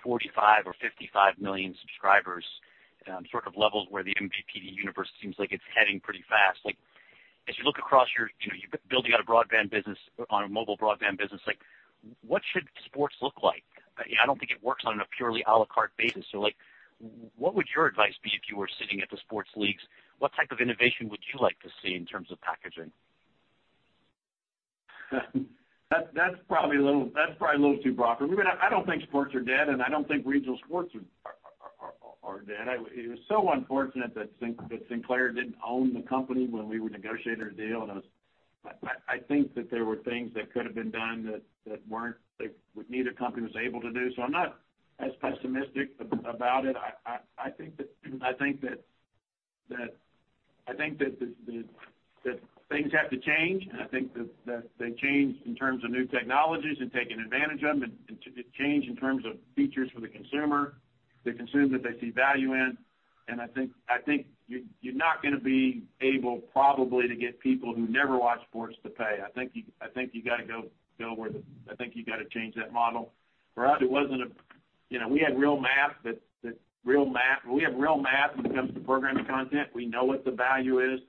45 or 55 million subscribers, sort of levels where the MVPD universe seems like it's heading pretty fast. As you look across your, you know, you're building out a broadband business on a mobile broadband business, like what should sports look like? I don't think it works on a purely a la carte basis. What would your advice be if you were sitting at the sports leagues? What type of innovation would you like to see in terms of packaging? That's probably a little too broad for me. I don't think sports are dead, and I don't think regional sports are dead. It was so unfortunate that Sinclair didn't own the company when we were negotiating their deal, and I think that there were things that could have been done that weren't, that neither company was able to do. I'm not as pessimistic about it. I think that things have to change, and I think that they change in terms of new technologies and taking advantage of them, and change in terms of features for the consumer, the consumer that they see value in. I think you're not gonna be able probably to get people who never watch sports to pay. I think you gotta change that model. For us, it wasn't a You know, we had real math that, we have real math when it comes to programming content. We know what the value is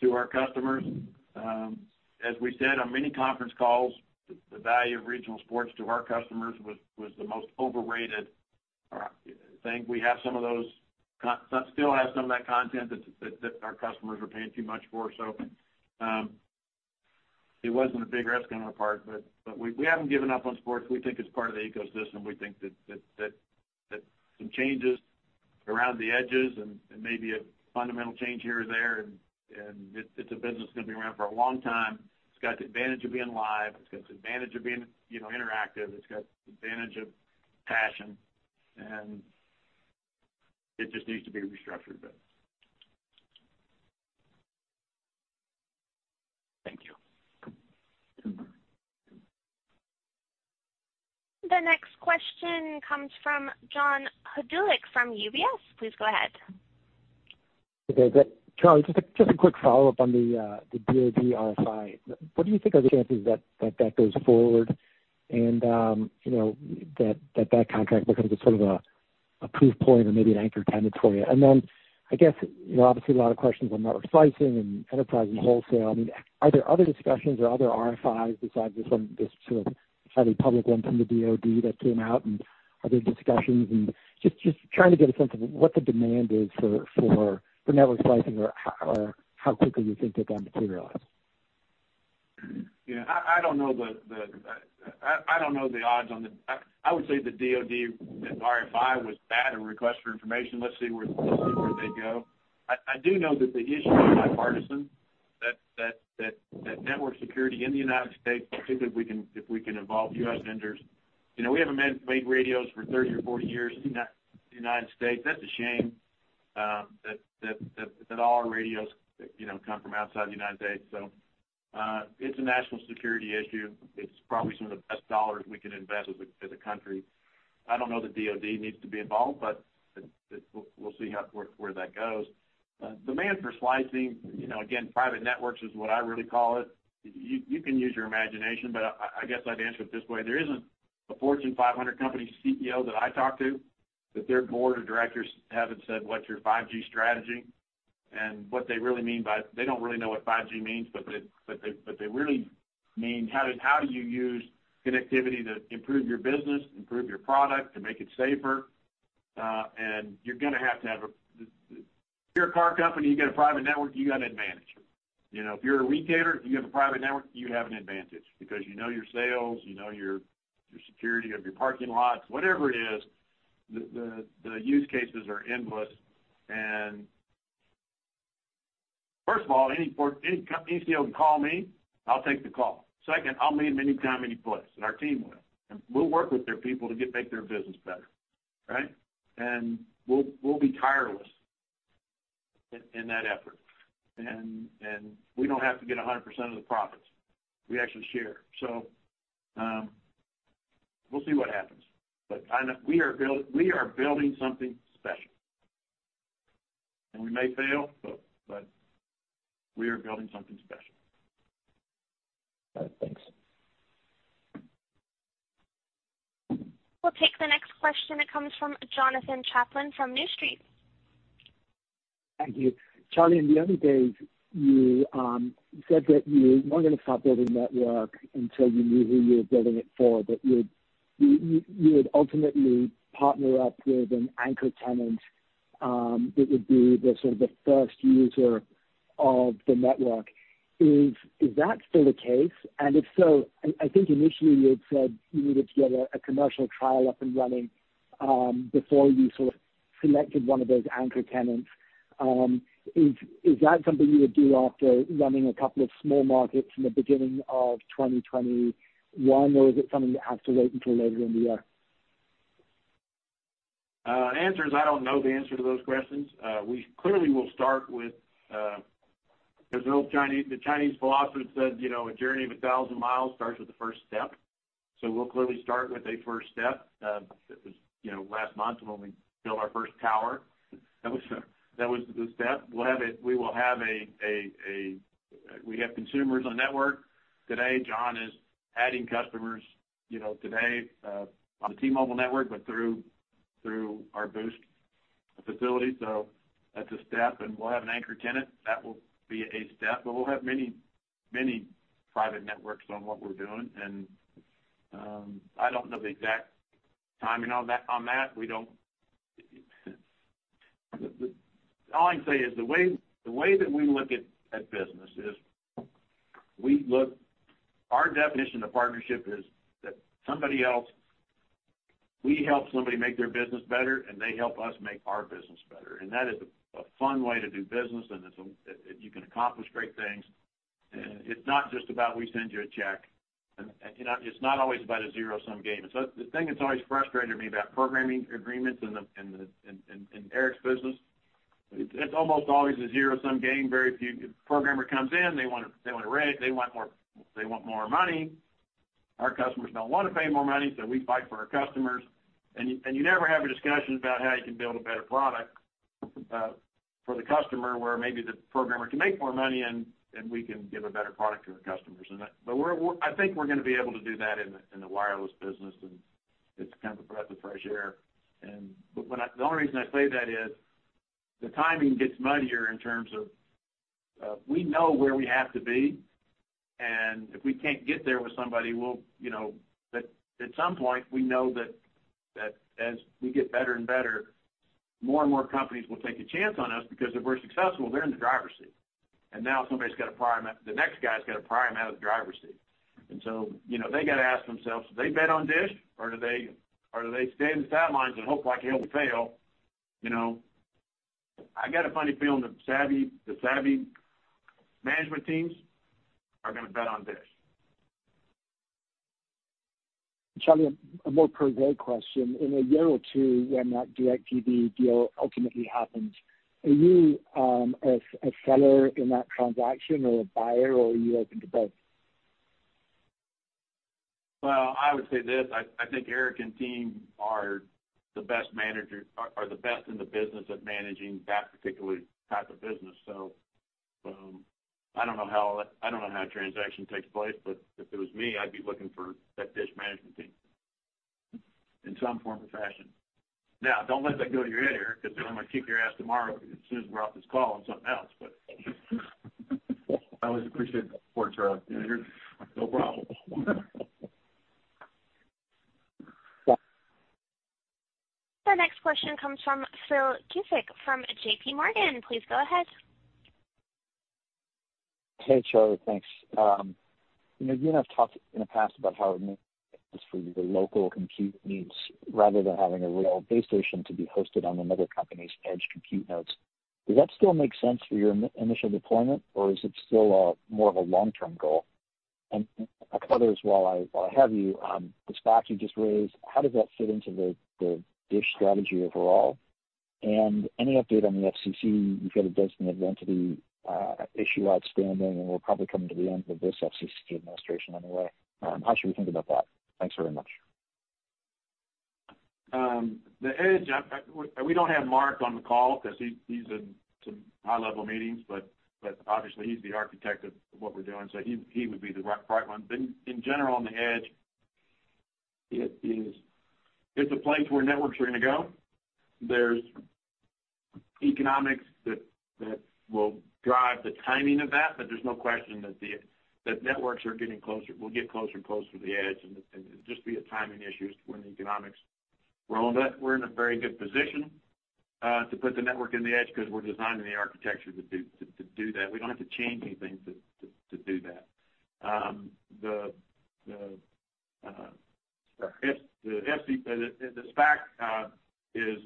to our customers. As we said on many conference calls, the value of regional sports to our customers was the most overrated thing. Still have some of that content that our customers are paying too much for. It wasn't a big risk on our part, but we haven't given up on sports. We think it's part of the ecosystem. We think that some changes around the edges and maybe a fundamental change here or there and it's a business that's gonna be around for a long time. It's got the advantage of being live. It's got the advantage of being, you know, interactive. It's got the advantage of passion, and it just needs to be restructured a bit. Thank you. The next question comes from John Hodulik from UBS. Please go ahead. Okay. Charlie, just a quick follow-up on the DoD RFI. What do you think are the chances that goes forward and, you know, that contract becomes a sort of a proof point or maybe an anchor tenant for you? Then I guess, you know, obviously a lot of questions on network slicing and enterprise and wholesale. I mean, are there other discussions or other RFIs besides this one, this sort of highly public one from the DoD that came out? Are there discussions and just trying to get a sense of what the demand is for network slicing or how quickly you think that materializes. Yeah, I don't know the odds on the I would say the DoD RFI was that, a request for information. Let's see where they go. I do know that network security in the U.S., particularly if we can involve U.S. vendors. You know, we haven't made radios for 30 or 40 years in the U.S. That's a shame, that all our radios, you know, come from outside the U.S. It's a national security issue. It's probably some of the best dollars we can invest as a country. I don't know the DoD needs to be involved, we'll see where that goes. Demand for slicing, you know, again, private networks is what I really call it. You, you can use your imagination, but I guess I'd answer it this way. There isn't a Fortune 500 company CEO that I talk to that their Board of Directors haven't said, "What's your 5G strategy?" What they really mean by They don't really know what 5G means, but they really mean how do you use connectivity to improve your business, improve your product, to make it safer? And you're gonna have to have a If you're a car company, you get a private network, you got an advantage. You know, if you're a retailer, you have a private network, you have an advantage because you know your sales, you know your security of your parking lots, whatever it is. The use cases are endless. First of all, any CEO can call me, I'll take the call. Second, I'll meet him anytime, any place, and our team will. We'll work with their people to make their business better, right? We'll be tireless in that effort. We don't have to get 100% of the profits. We actually share. We'll see what happens. I know we are building something special. We may fail, but we are building something special. All right, thanks. We'll take the next question. It comes from Jonathan Chaplin from New Street. Thank you. Charlie, in the early days, you said that you weren't gonna stop building network until you knew who you were building it for, but you would ultimately partner up with an anchor tenant, that would be the sort of the first user of the network. Is that still the case? If so, I think initially you had said you needed to get a commercial trial up and running before you sort of selected one of those anchor tenants. Is that something you would do after running a couple of small markets in the beginning of 2021 or is it something that has to wait until later in the year? Answer is I don't know the answer to those questions. We clearly will start with the Chinese philosopher that said, you know, a journey of 1,000 mi starts with the first step. We'll clearly start with a first step. That was, you know, last month when we built our first tower. That was the step. We will have consumers on network. Today, John is adding customers, you know, today, on the T-Mobile network, but through our Boost facility. That's a step, and we'll have an anchor tenant. That will be a step. We'll have many, many private networks on what we're doing and, I don't know the exact timing on that. All I can say is the way that we look at business is our definition of partnership is that we help somebody make their business better, and they help us make our business better. That is a fun way to do business, and you can accomplish great things. It's not just about we send you a check. You know, it's not always about a zero-sum game. The thing that's always frustrated me about programming agreements in Erik's business, it's almost always a zero-sum game. Programmer comes in, they want a rate, they want more money. Our customers don't want to pay more money, we fight for our customers. You never have a discussion about how you can build a better product for the customer, where maybe the programmer can make more money and we can give a better product to our customers. I think we're gonna be able to do that in the wireless business, and it's kind of a breath of fresh air. The only reason I say that is the timing gets muddier in terms of, we know where we have to be, and if we can't get there with somebody, we'll, you know. At some point, we know that as we get better and better, more and more companies will take a chance on us because if we're successful, they're in the driver's seat. Now somebody's got to pry 'em out, the next guy's got to pry 'em out of the driver's seat. You know, they gotta ask themselves, do they bet on DISH, or do they stay in the sidelines and hope like hell we fail, you know? I got a funny feeling the savvy management teams are gonna bet on DISH. Charlie, a more per se question. In a year or two, when that DIRECTV deal ultimately happens, are you a seller in that transaction or a buyer or are you open to both? Well, I would say this, I think Erik and team are the best in the business at managing that particular type of business. I don't know how the transaction takes place, but if it was me, I'd be looking for that DISH management team in some form or fashion. Don't let that go to your head, Erik, 'cause they're gonna kick your ass tomorrow as soon as we're off this call on something else, but. I always appreciate the support, Charlie. Yeah, no problem. Yeah. The next question comes from Philip Cusick from JPMorgan. Please go ahead. Hey, Charlie, thanks. You know, you and I have talked in the past about how to make this for the local compute needs rather than having a real base station to be hosted on another company's edge compute nodes. Does that still make sense for your initial deployment, or is it still a more of a long-term goal? A couple others while I have you, the SPAC you just raised, how does that fit into the DISH strategy overall? Any update on the FCC? You've got a designated entity event to the issue outstanding, and we're probably coming to the end of this FCC administration anyway. How should we think about that? Thanks very much. The edge, we don't have Marc on the call 'cause he's in some high-level meetings, obviously he's the architect of what we're doing, so he would be the right one. In general, on the edge, it's a place where networks are gonna go. There's economics that will drive the timing of that, there's no question that networks will get closer and closer to the edge, it'd just be a timing issue as to when the economics roll. We're in a very good position to put the network in the edge 'cause we're designing the architecture to do that. We don't have to change anything to do that. The SPAC is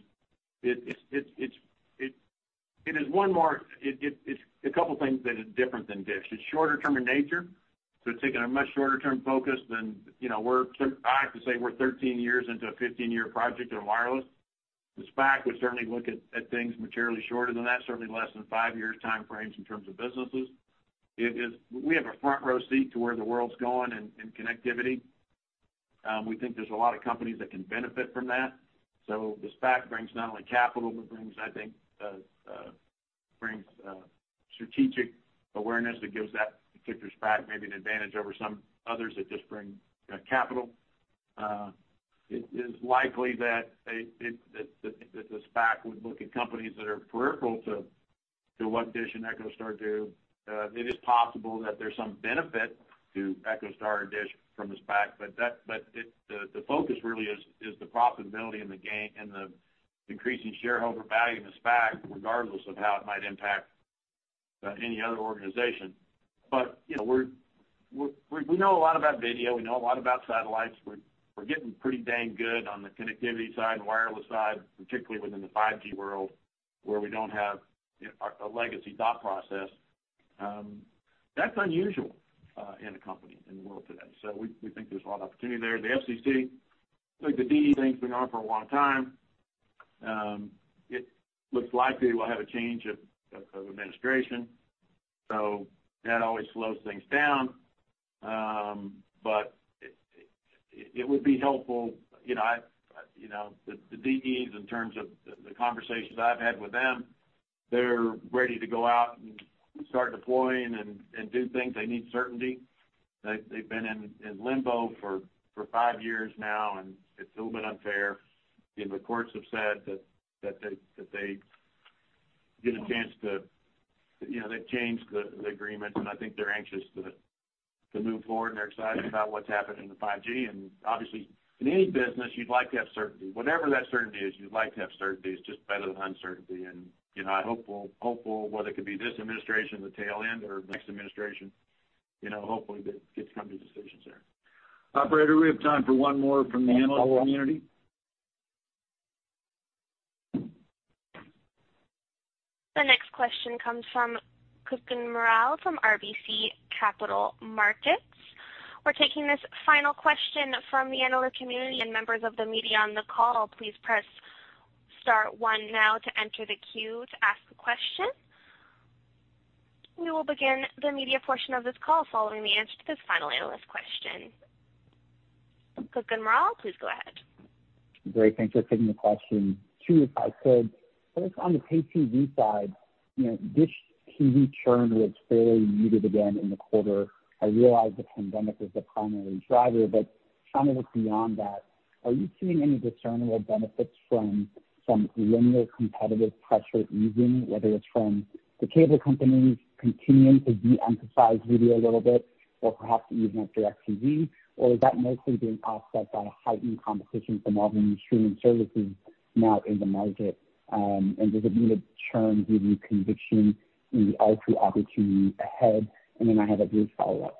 one more, it's a couple things that is different than DISH. It's shorter-term in nature, so it's taking a much shorter-term focus than, you know, I have to say we're 13 years into a 15-year project in wireless. The SPAC would certainly look at things materially shorter than that, certainly less than five years time frames in terms of businesses. We have a front row seat to where the world's going in connectivity. We think there's a lot of companies that can benefit from that. The SPAC brings not only capital, but brings, I think, strategic awareness that gives that particular SPAC maybe an advantage over some others that just bring capital. It is likely that the SPAC would look at companies that are peripheral to what DISH and EchoStar do. It is possible that there's some benefit to EchoStar or DISH from the SPAC, but the focus really is the profitability and the increasing shareholder value in the SPAC, regardless of how it might impact any other organization. You know, we know a lot about video, we know a lot about satellites. We're getting pretty dang good on the connectivity side and wireless side, particularly within the 5G world, where we don't have, you know, a legacy thought process. That's unusual in a company in the world today. We think there's a lot of opportunity there. The FCC, look, the DE thing's been going on for a long time. It looks likely we'll have a change of administration, that always slows things down. It would be helpful. You know, the DEs, in terms of the conversations I've had with them, they're ready to go out and start deploying and do things. They need certainty. They've been in limbo for five years now, it's a little bit unfair. You know, the courts have said that they get a chance to. You know, they've changed the agreement, I think they're anxious to move forward, they're excited about what's happened in the 5G. Obviously, in any business, you'd like to have certainty. Whatever that certainty is, you'd like to have certainty. It's just better than uncertainty. You know, I'm hopeful whether it could be this administration at the tail end or the next administration, you know, hopefully they get to come to decisions there. Operator, we have time for one more from the analyst community. The next question comes from Kutgun Maral from RBC Capital Markets. We're taking this final question from the analyst community and members of the media on the call. Please press star one now to enter the queue to ask a question. We will begin the media portion of this call following the answer to this final analyst question. Kutgun Maral, please go ahead. Great. Thanks for taking the question. Two, if I could. I guess on the Pay-TV side, you know, DISH TV churn was fairly muted again in the quarter. I realize the pandemic is the primary driver, but kind of look beyond that. Are you seeing any discernible benefits from some linear competitive pressure easing, whether it's from the cable companies continuing to de-emphasize video a little bit or perhaps even at DIRECTV? Or is that mostly being offset by heightened competition from all the new streaming services now in the market? Does it mean the churn gives you conviction in the ARPU opportunity ahead? Then I have a brief follow-up.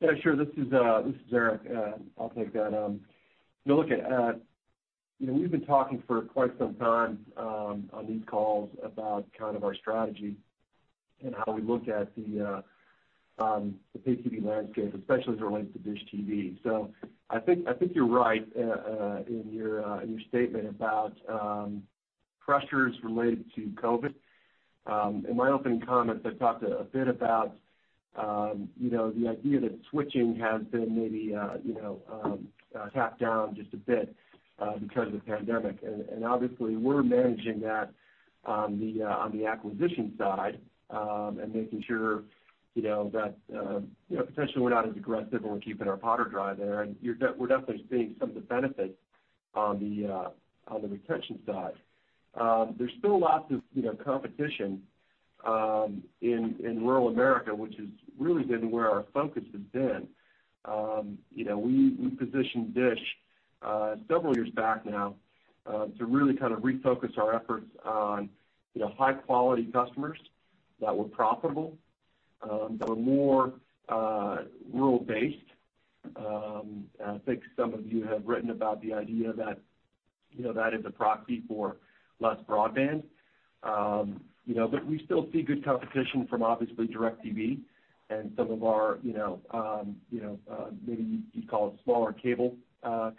Yeah, sure. This is Erik. I'll take that. You look at, you know, we've been talking for quite some time on these calls about kind of our strategy and how we look at the Pay-TV landscape, especially as it relates to DISH TV. I think, I think you're right in your statement about pressures related to COVID. In my opening comments, I talked a bit about, you know, the idea that switching has been maybe, you know, tapped down just a bit because of the pandemic. Obviously we're managing that on the acquisition side and making sure, you know, that, you know, potentially we're not as aggressive and we're keeping our powder dry there. We're definitely seeing some of the benefits on the retention side. There's still lots of, you know, competition in rural America, which has really been where our focus has been. You know, we positioned DISH several years back now, to really kind of refocus our efforts on, you know, high quality customers that were profitable, that were more rural based. I think some of you have written about the idea that, you know, that is a proxy for less broadband. You know, we still see good competition from obviously DIRECTV and some of our, you know, you know, maybe you'd call it smaller cable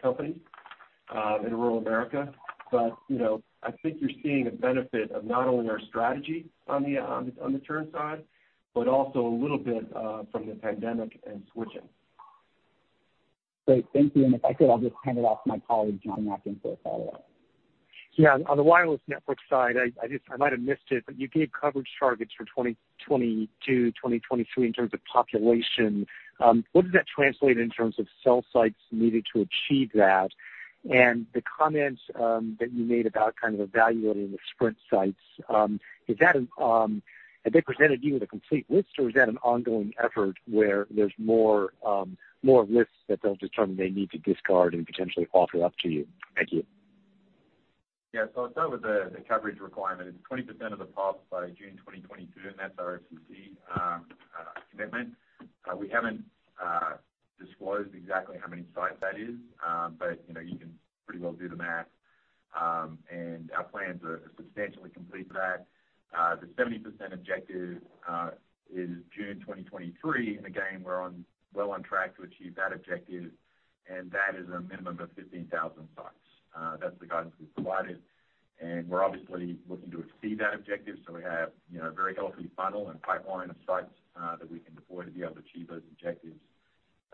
companies in rural America. You know, I think you're seeing a benefit of not only our strategy on the churn side, but also a little bit from the pandemic and switching. Great. Thank you. If I could, I'll just hand it off to my colleague, John MacKenzie, for a follow-up. Yeah. On the wireless network side, I might have missed it, but you gave coverage targets for 2022, 2023 in terms of population. What does that translate in terms of cell sites needed to achieve that? The comments that you made about kind of evaluating the Sprint sites, Have they presented you with a complete list, or is that an ongoing effort where there's more lists that they'll determine they need to discard and potentially offer up to you? Thank you. I'll start with the coverage requirement. It's 20% of the pop by June 2022. That's our FCC commitment. We haven't disclosed exactly how many sites that is, you know, you can pretty well do the math. Our plans are substantially complete for that. The 70% objective is June 2023. Again, we're well on track to achieve that objective. That is a minimum of 15,000 sites. That's the guidance we've provided, and we're obviously looking to exceed that objective. We have, you know, a very healthy funnel and pipeline of sites that we can deploy to be able to achieve those objectives.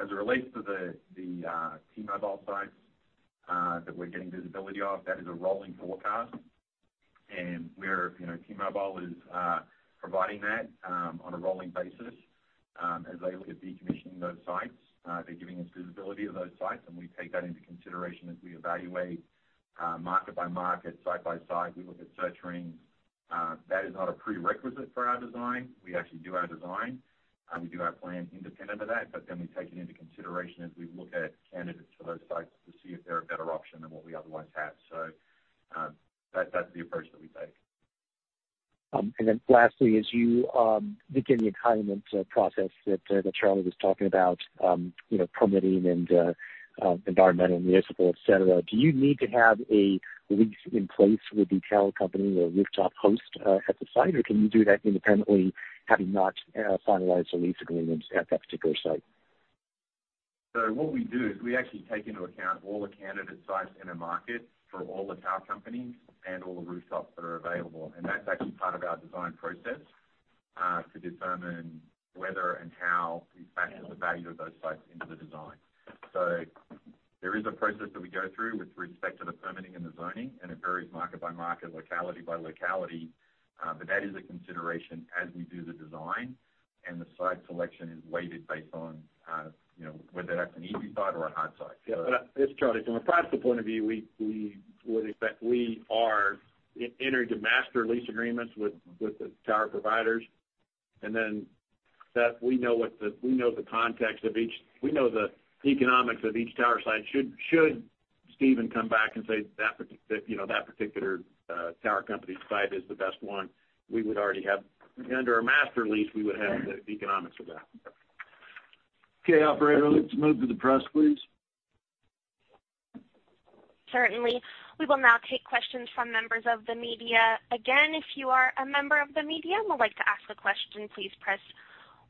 As it relates to the T-Mobile sites that we're getting visibility of, that is a rolling forecast. We're, you know, T-Mobile is providing that on a rolling basis. As they look at decommissioning those sites, they're giving us visibility of those sites, and we take that into consideration as we evaluate market by market, site by site. We look at search range. That is not a prerequisite for our design. We actually do our design, we do our plan independent of that, we take it into consideration as we look at candidates for those sites to see if they're a better option than what we otherwise have. That's the approach that we take. Lastly, as you begin the entitlement process that Charlie was talking about, you know, permitting and environmental and municipal, et cetera, do you need to have a lease in place with the tower company or rooftop host at the site? Can you do that independently, having not finalized the lease agreements at that particular site? What we do is we actually take into account all the candidate sites in a market for all the tower companies and all the rooftops that are available. That's actually part of our design process to determine whether and how we factor the value of those sites into the design. There is a process that we go through with respect to the permitting and the zoning, and it varies market by market, locality by locality. That is a consideration as we do the design, and the site selection is weighted based on, you know, whether that's an easy site or a hard site. Yeah. It's Charlie. From a process point of view, we would expect we are entering to master lease agreements with the tower providers. Steph, we know the context of each. We know the economics of each tower site. Should Stephen come back and say that, you know, that particular tower company site is the best one, we would already have under our master lease, we would have the economics of that. Okay, operator, let's move to the press, please. Certainly. We will now take questions from members of the media. Again, if you are a member of the media and would like to ask a question, please press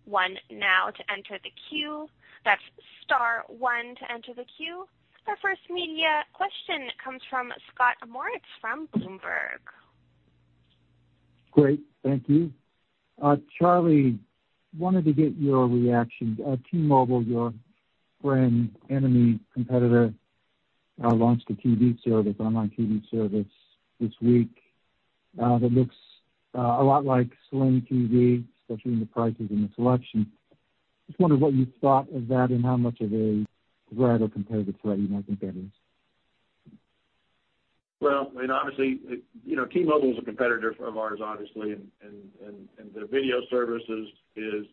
one now to enter the queue. That's star one to enter the queue. Our first media question comes from Scott Moritz from Bloomberg. Great. Thank you. Charlie, wanted to get your reaction. T-Mobile, your friend, enemy, competitor, launched a TV service, online TV service this week, that looks a lot like Sling TV, especially in the prices and the selection. Just wondering what you thought of that and how much of a threat or competitive threat you might think that is. Well, I mean, obviously, you know, T-Mobile is a competitor of ours, obviously, and their video services is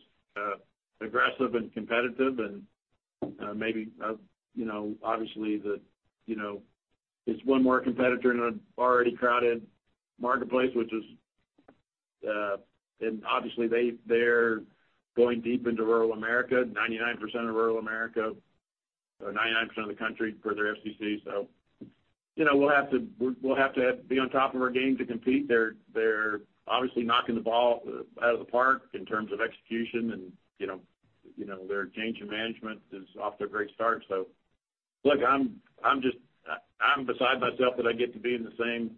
aggressive and competitive. Maybe, you know, obviously, it's one more competitor in an already crowded marketplace, which is Obviously, they're going deep into rural America, 99% of rural America, or 99% of the country per their FCC. You know, we'll have to be on top of our game to compete. They're obviously knocking the ball out of the park in terms of execution and, you know, their change in management is off to a great start. Look, I'm just, I'm beside myself that I get to be in the same,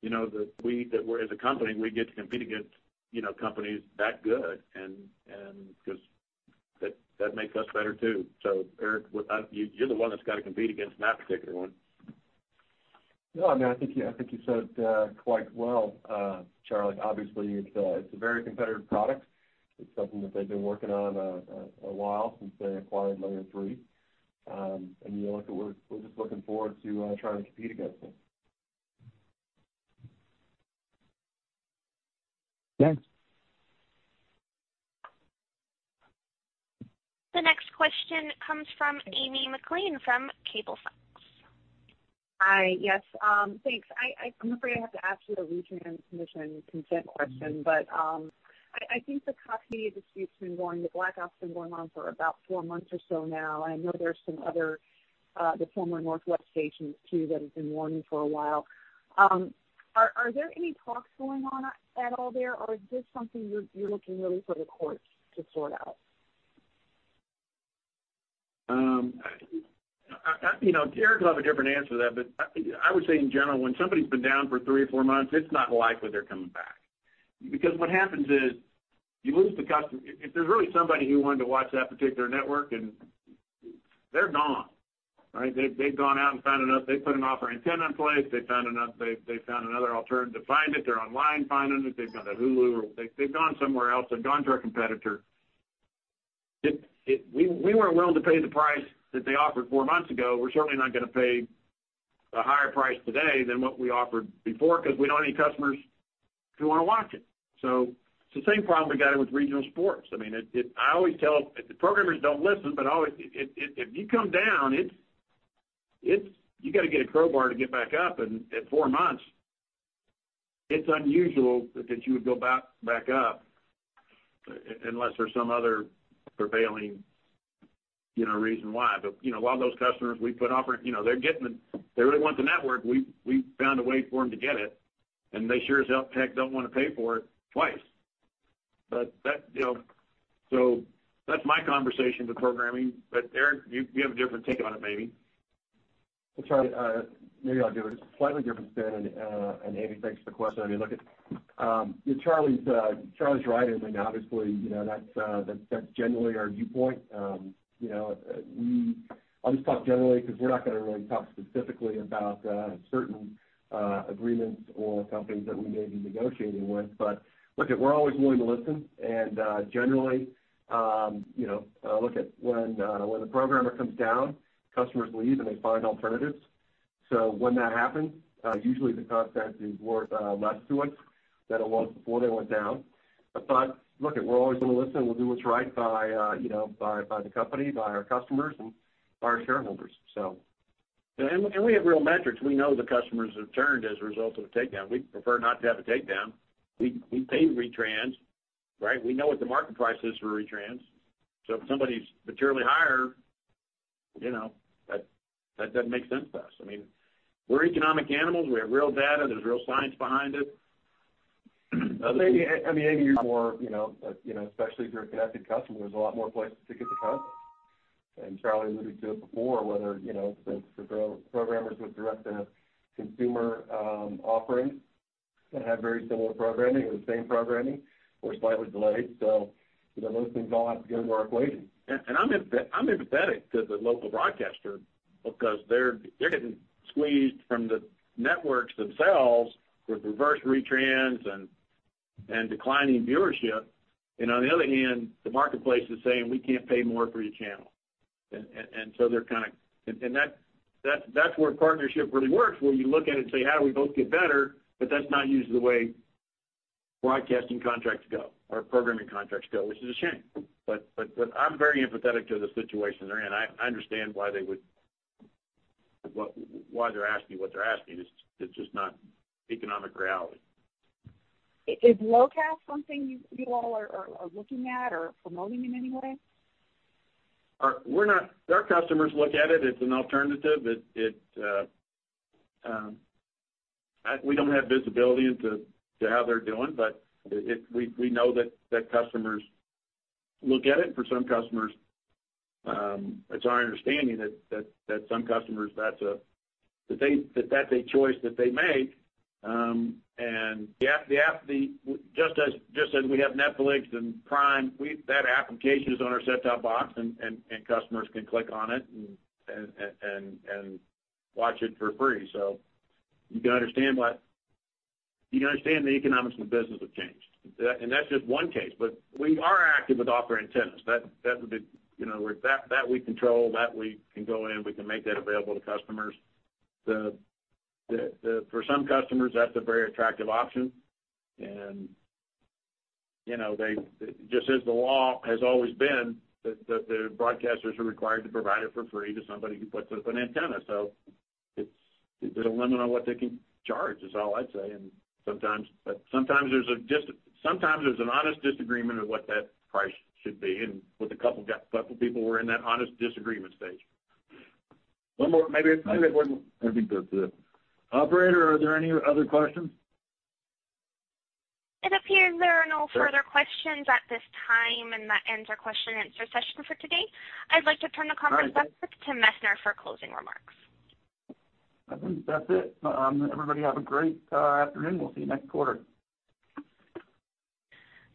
you know, that we're as a company, we get to compete against, you know, companies that good and because that makes us better, too. Erik, you're the one that's got to compete against that particular one. No, I mean, I think you said quite well, Charlie. Obviously, it's a very competitive product. It's something that they've been working on a while, since they acquired Layer3. You know, look, we're just looking forward to trying to compete against them. Thanks. The next question comes from Amy Maclean from Cablefax. Hi. Yes. Thanks. I'm afraid I have to ask you the retransmission consent question. I think the Cox Media Group dispute's been going, the blackout's been going on for about four months or so now. I know there's some other, the former Northwest stations, too, that have been warning for a while. Are there any talks going on at all there? Is this something you're looking really for the courts to sort out? I, you know, Erik will have a different answer to that, but I would say in general, when somebody's been down for three or four months, it's not likely they're coming back. What happens is you lose the customer. If there's really somebody who wanted to watch that particular network and they're gone, right? They've gone out and found enough. They put an off-air antenna in place. They found enough. They found another alternative to find it. They're online finding it. They've got a Hulu or they've gone somewhere else. They've gone to a competitor. We weren't willing to pay the price that they offered four months ago. We're certainly not gonna pay a higher price today than what we offered before because we don't have any customers who wanna watch it. It's the same problem we got in with regional sports. I mean, it. I always tell. The programmers don't listen, but always, if you come down, it's you gotta get a crowbar to get back up, and at four months it's unusual that you would go back up unless there's some other prevailing, you know, reason why. You know, a lot of those customers, we put offer. You know, they're getting the. If they really want the network, we found a way for them to get it, and they sure as hell heck don't wanna pay for it twice. That, you know. That's my conversation with programming, but Erik, you have a different take on it maybe. Charlie, maybe I'll do a slightly different spin. Amy, thanks for the question. I mean, look it, Charlie's right. I mean, obviously, you know, that's generally our viewpoint. You know, I'll just talk generally 'cause we're not gonna really talk specifically about certain agreements or companies that we may be negotiating with. Look it, we're always willing to listen and generally, you know, look it, when the programmer comes down, customers leave, and they find alternatives. When that happens, usually the content is worth less to us than it was before they went down. Look it, we're always gonna listen. We'll do what's right by, you know, by the company, by our customers and by our shareholders. We have real metrics. We know the customers have turned as a result of a takedown. We'd prefer not to have a takedown. We pay retrans, right? We know what the market price is for retrans. If somebody's materially higher, you know, that doesn't make sense to us. I mean, we're economic animals. We have real data. There's real science behind it. Maybe, and maybe you're more, you know, especially if you're a connected customer, there's a lot more places to get the content. Charlie alluded to it before, whether, you know, the pro-programmers with direct-to-consumer offerings that have very similar programming or the same programming or slightly delayed. You know, those things all have to go into our equation. I'm empathetic to the local broadcaster because they're getting squeezed from the networks themselves with reverse retrans and declining viewership. On the other hand, the marketplace is saying, we can't pay more for your channel. They're kinda. That's where partnership really works, where you look at it and say, how do we both get better? That's not usually the way broadcasting contracts go or programming contracts go, which is a shame. I'm very empathetic to the situation they're in. I understand why they would, why they're asking what they're asking. It's just not economic reality. Is Locast something you all are looking at or promoting in any way? Our customers look at it as an alternative. We don't have visibility into how they're doing, but it, we know that customers look at it. For some customers, it's our understanding that some customers, that's a choice that they make. The app, the Just as we have Netflix and Prime, that application is on our set-top box and customers can click on it and watch it for free. You can understand the economics of the business have changed. That's just one case. We are active with off-air antennas. That would be, you know, where we control. That we can go in, we can make that available to customers. For some customers, that's a very attractive option. You know, they, just as the law has always been that the broadcasters are required to provide it for free to somebody who puts up an antenna. It's, there's a limit on what they can charge is all I'd say. Sometimes, but sometimes there's an honest disagreement of what that price should be, and with a couple people, we're in that honest disagreement stage. one more. That'd be good for the Operator, are there any other questions? It appears there are no further questions at this time, and that ends our question and answer session for today. I'd like to turn the conference back over to Messner for closing remarks. I think that's it. Everybody have a great afternoon. We'll see you next quarter.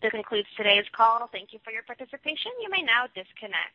This concludes today's call. Thank you for your participation. You may now disconnect.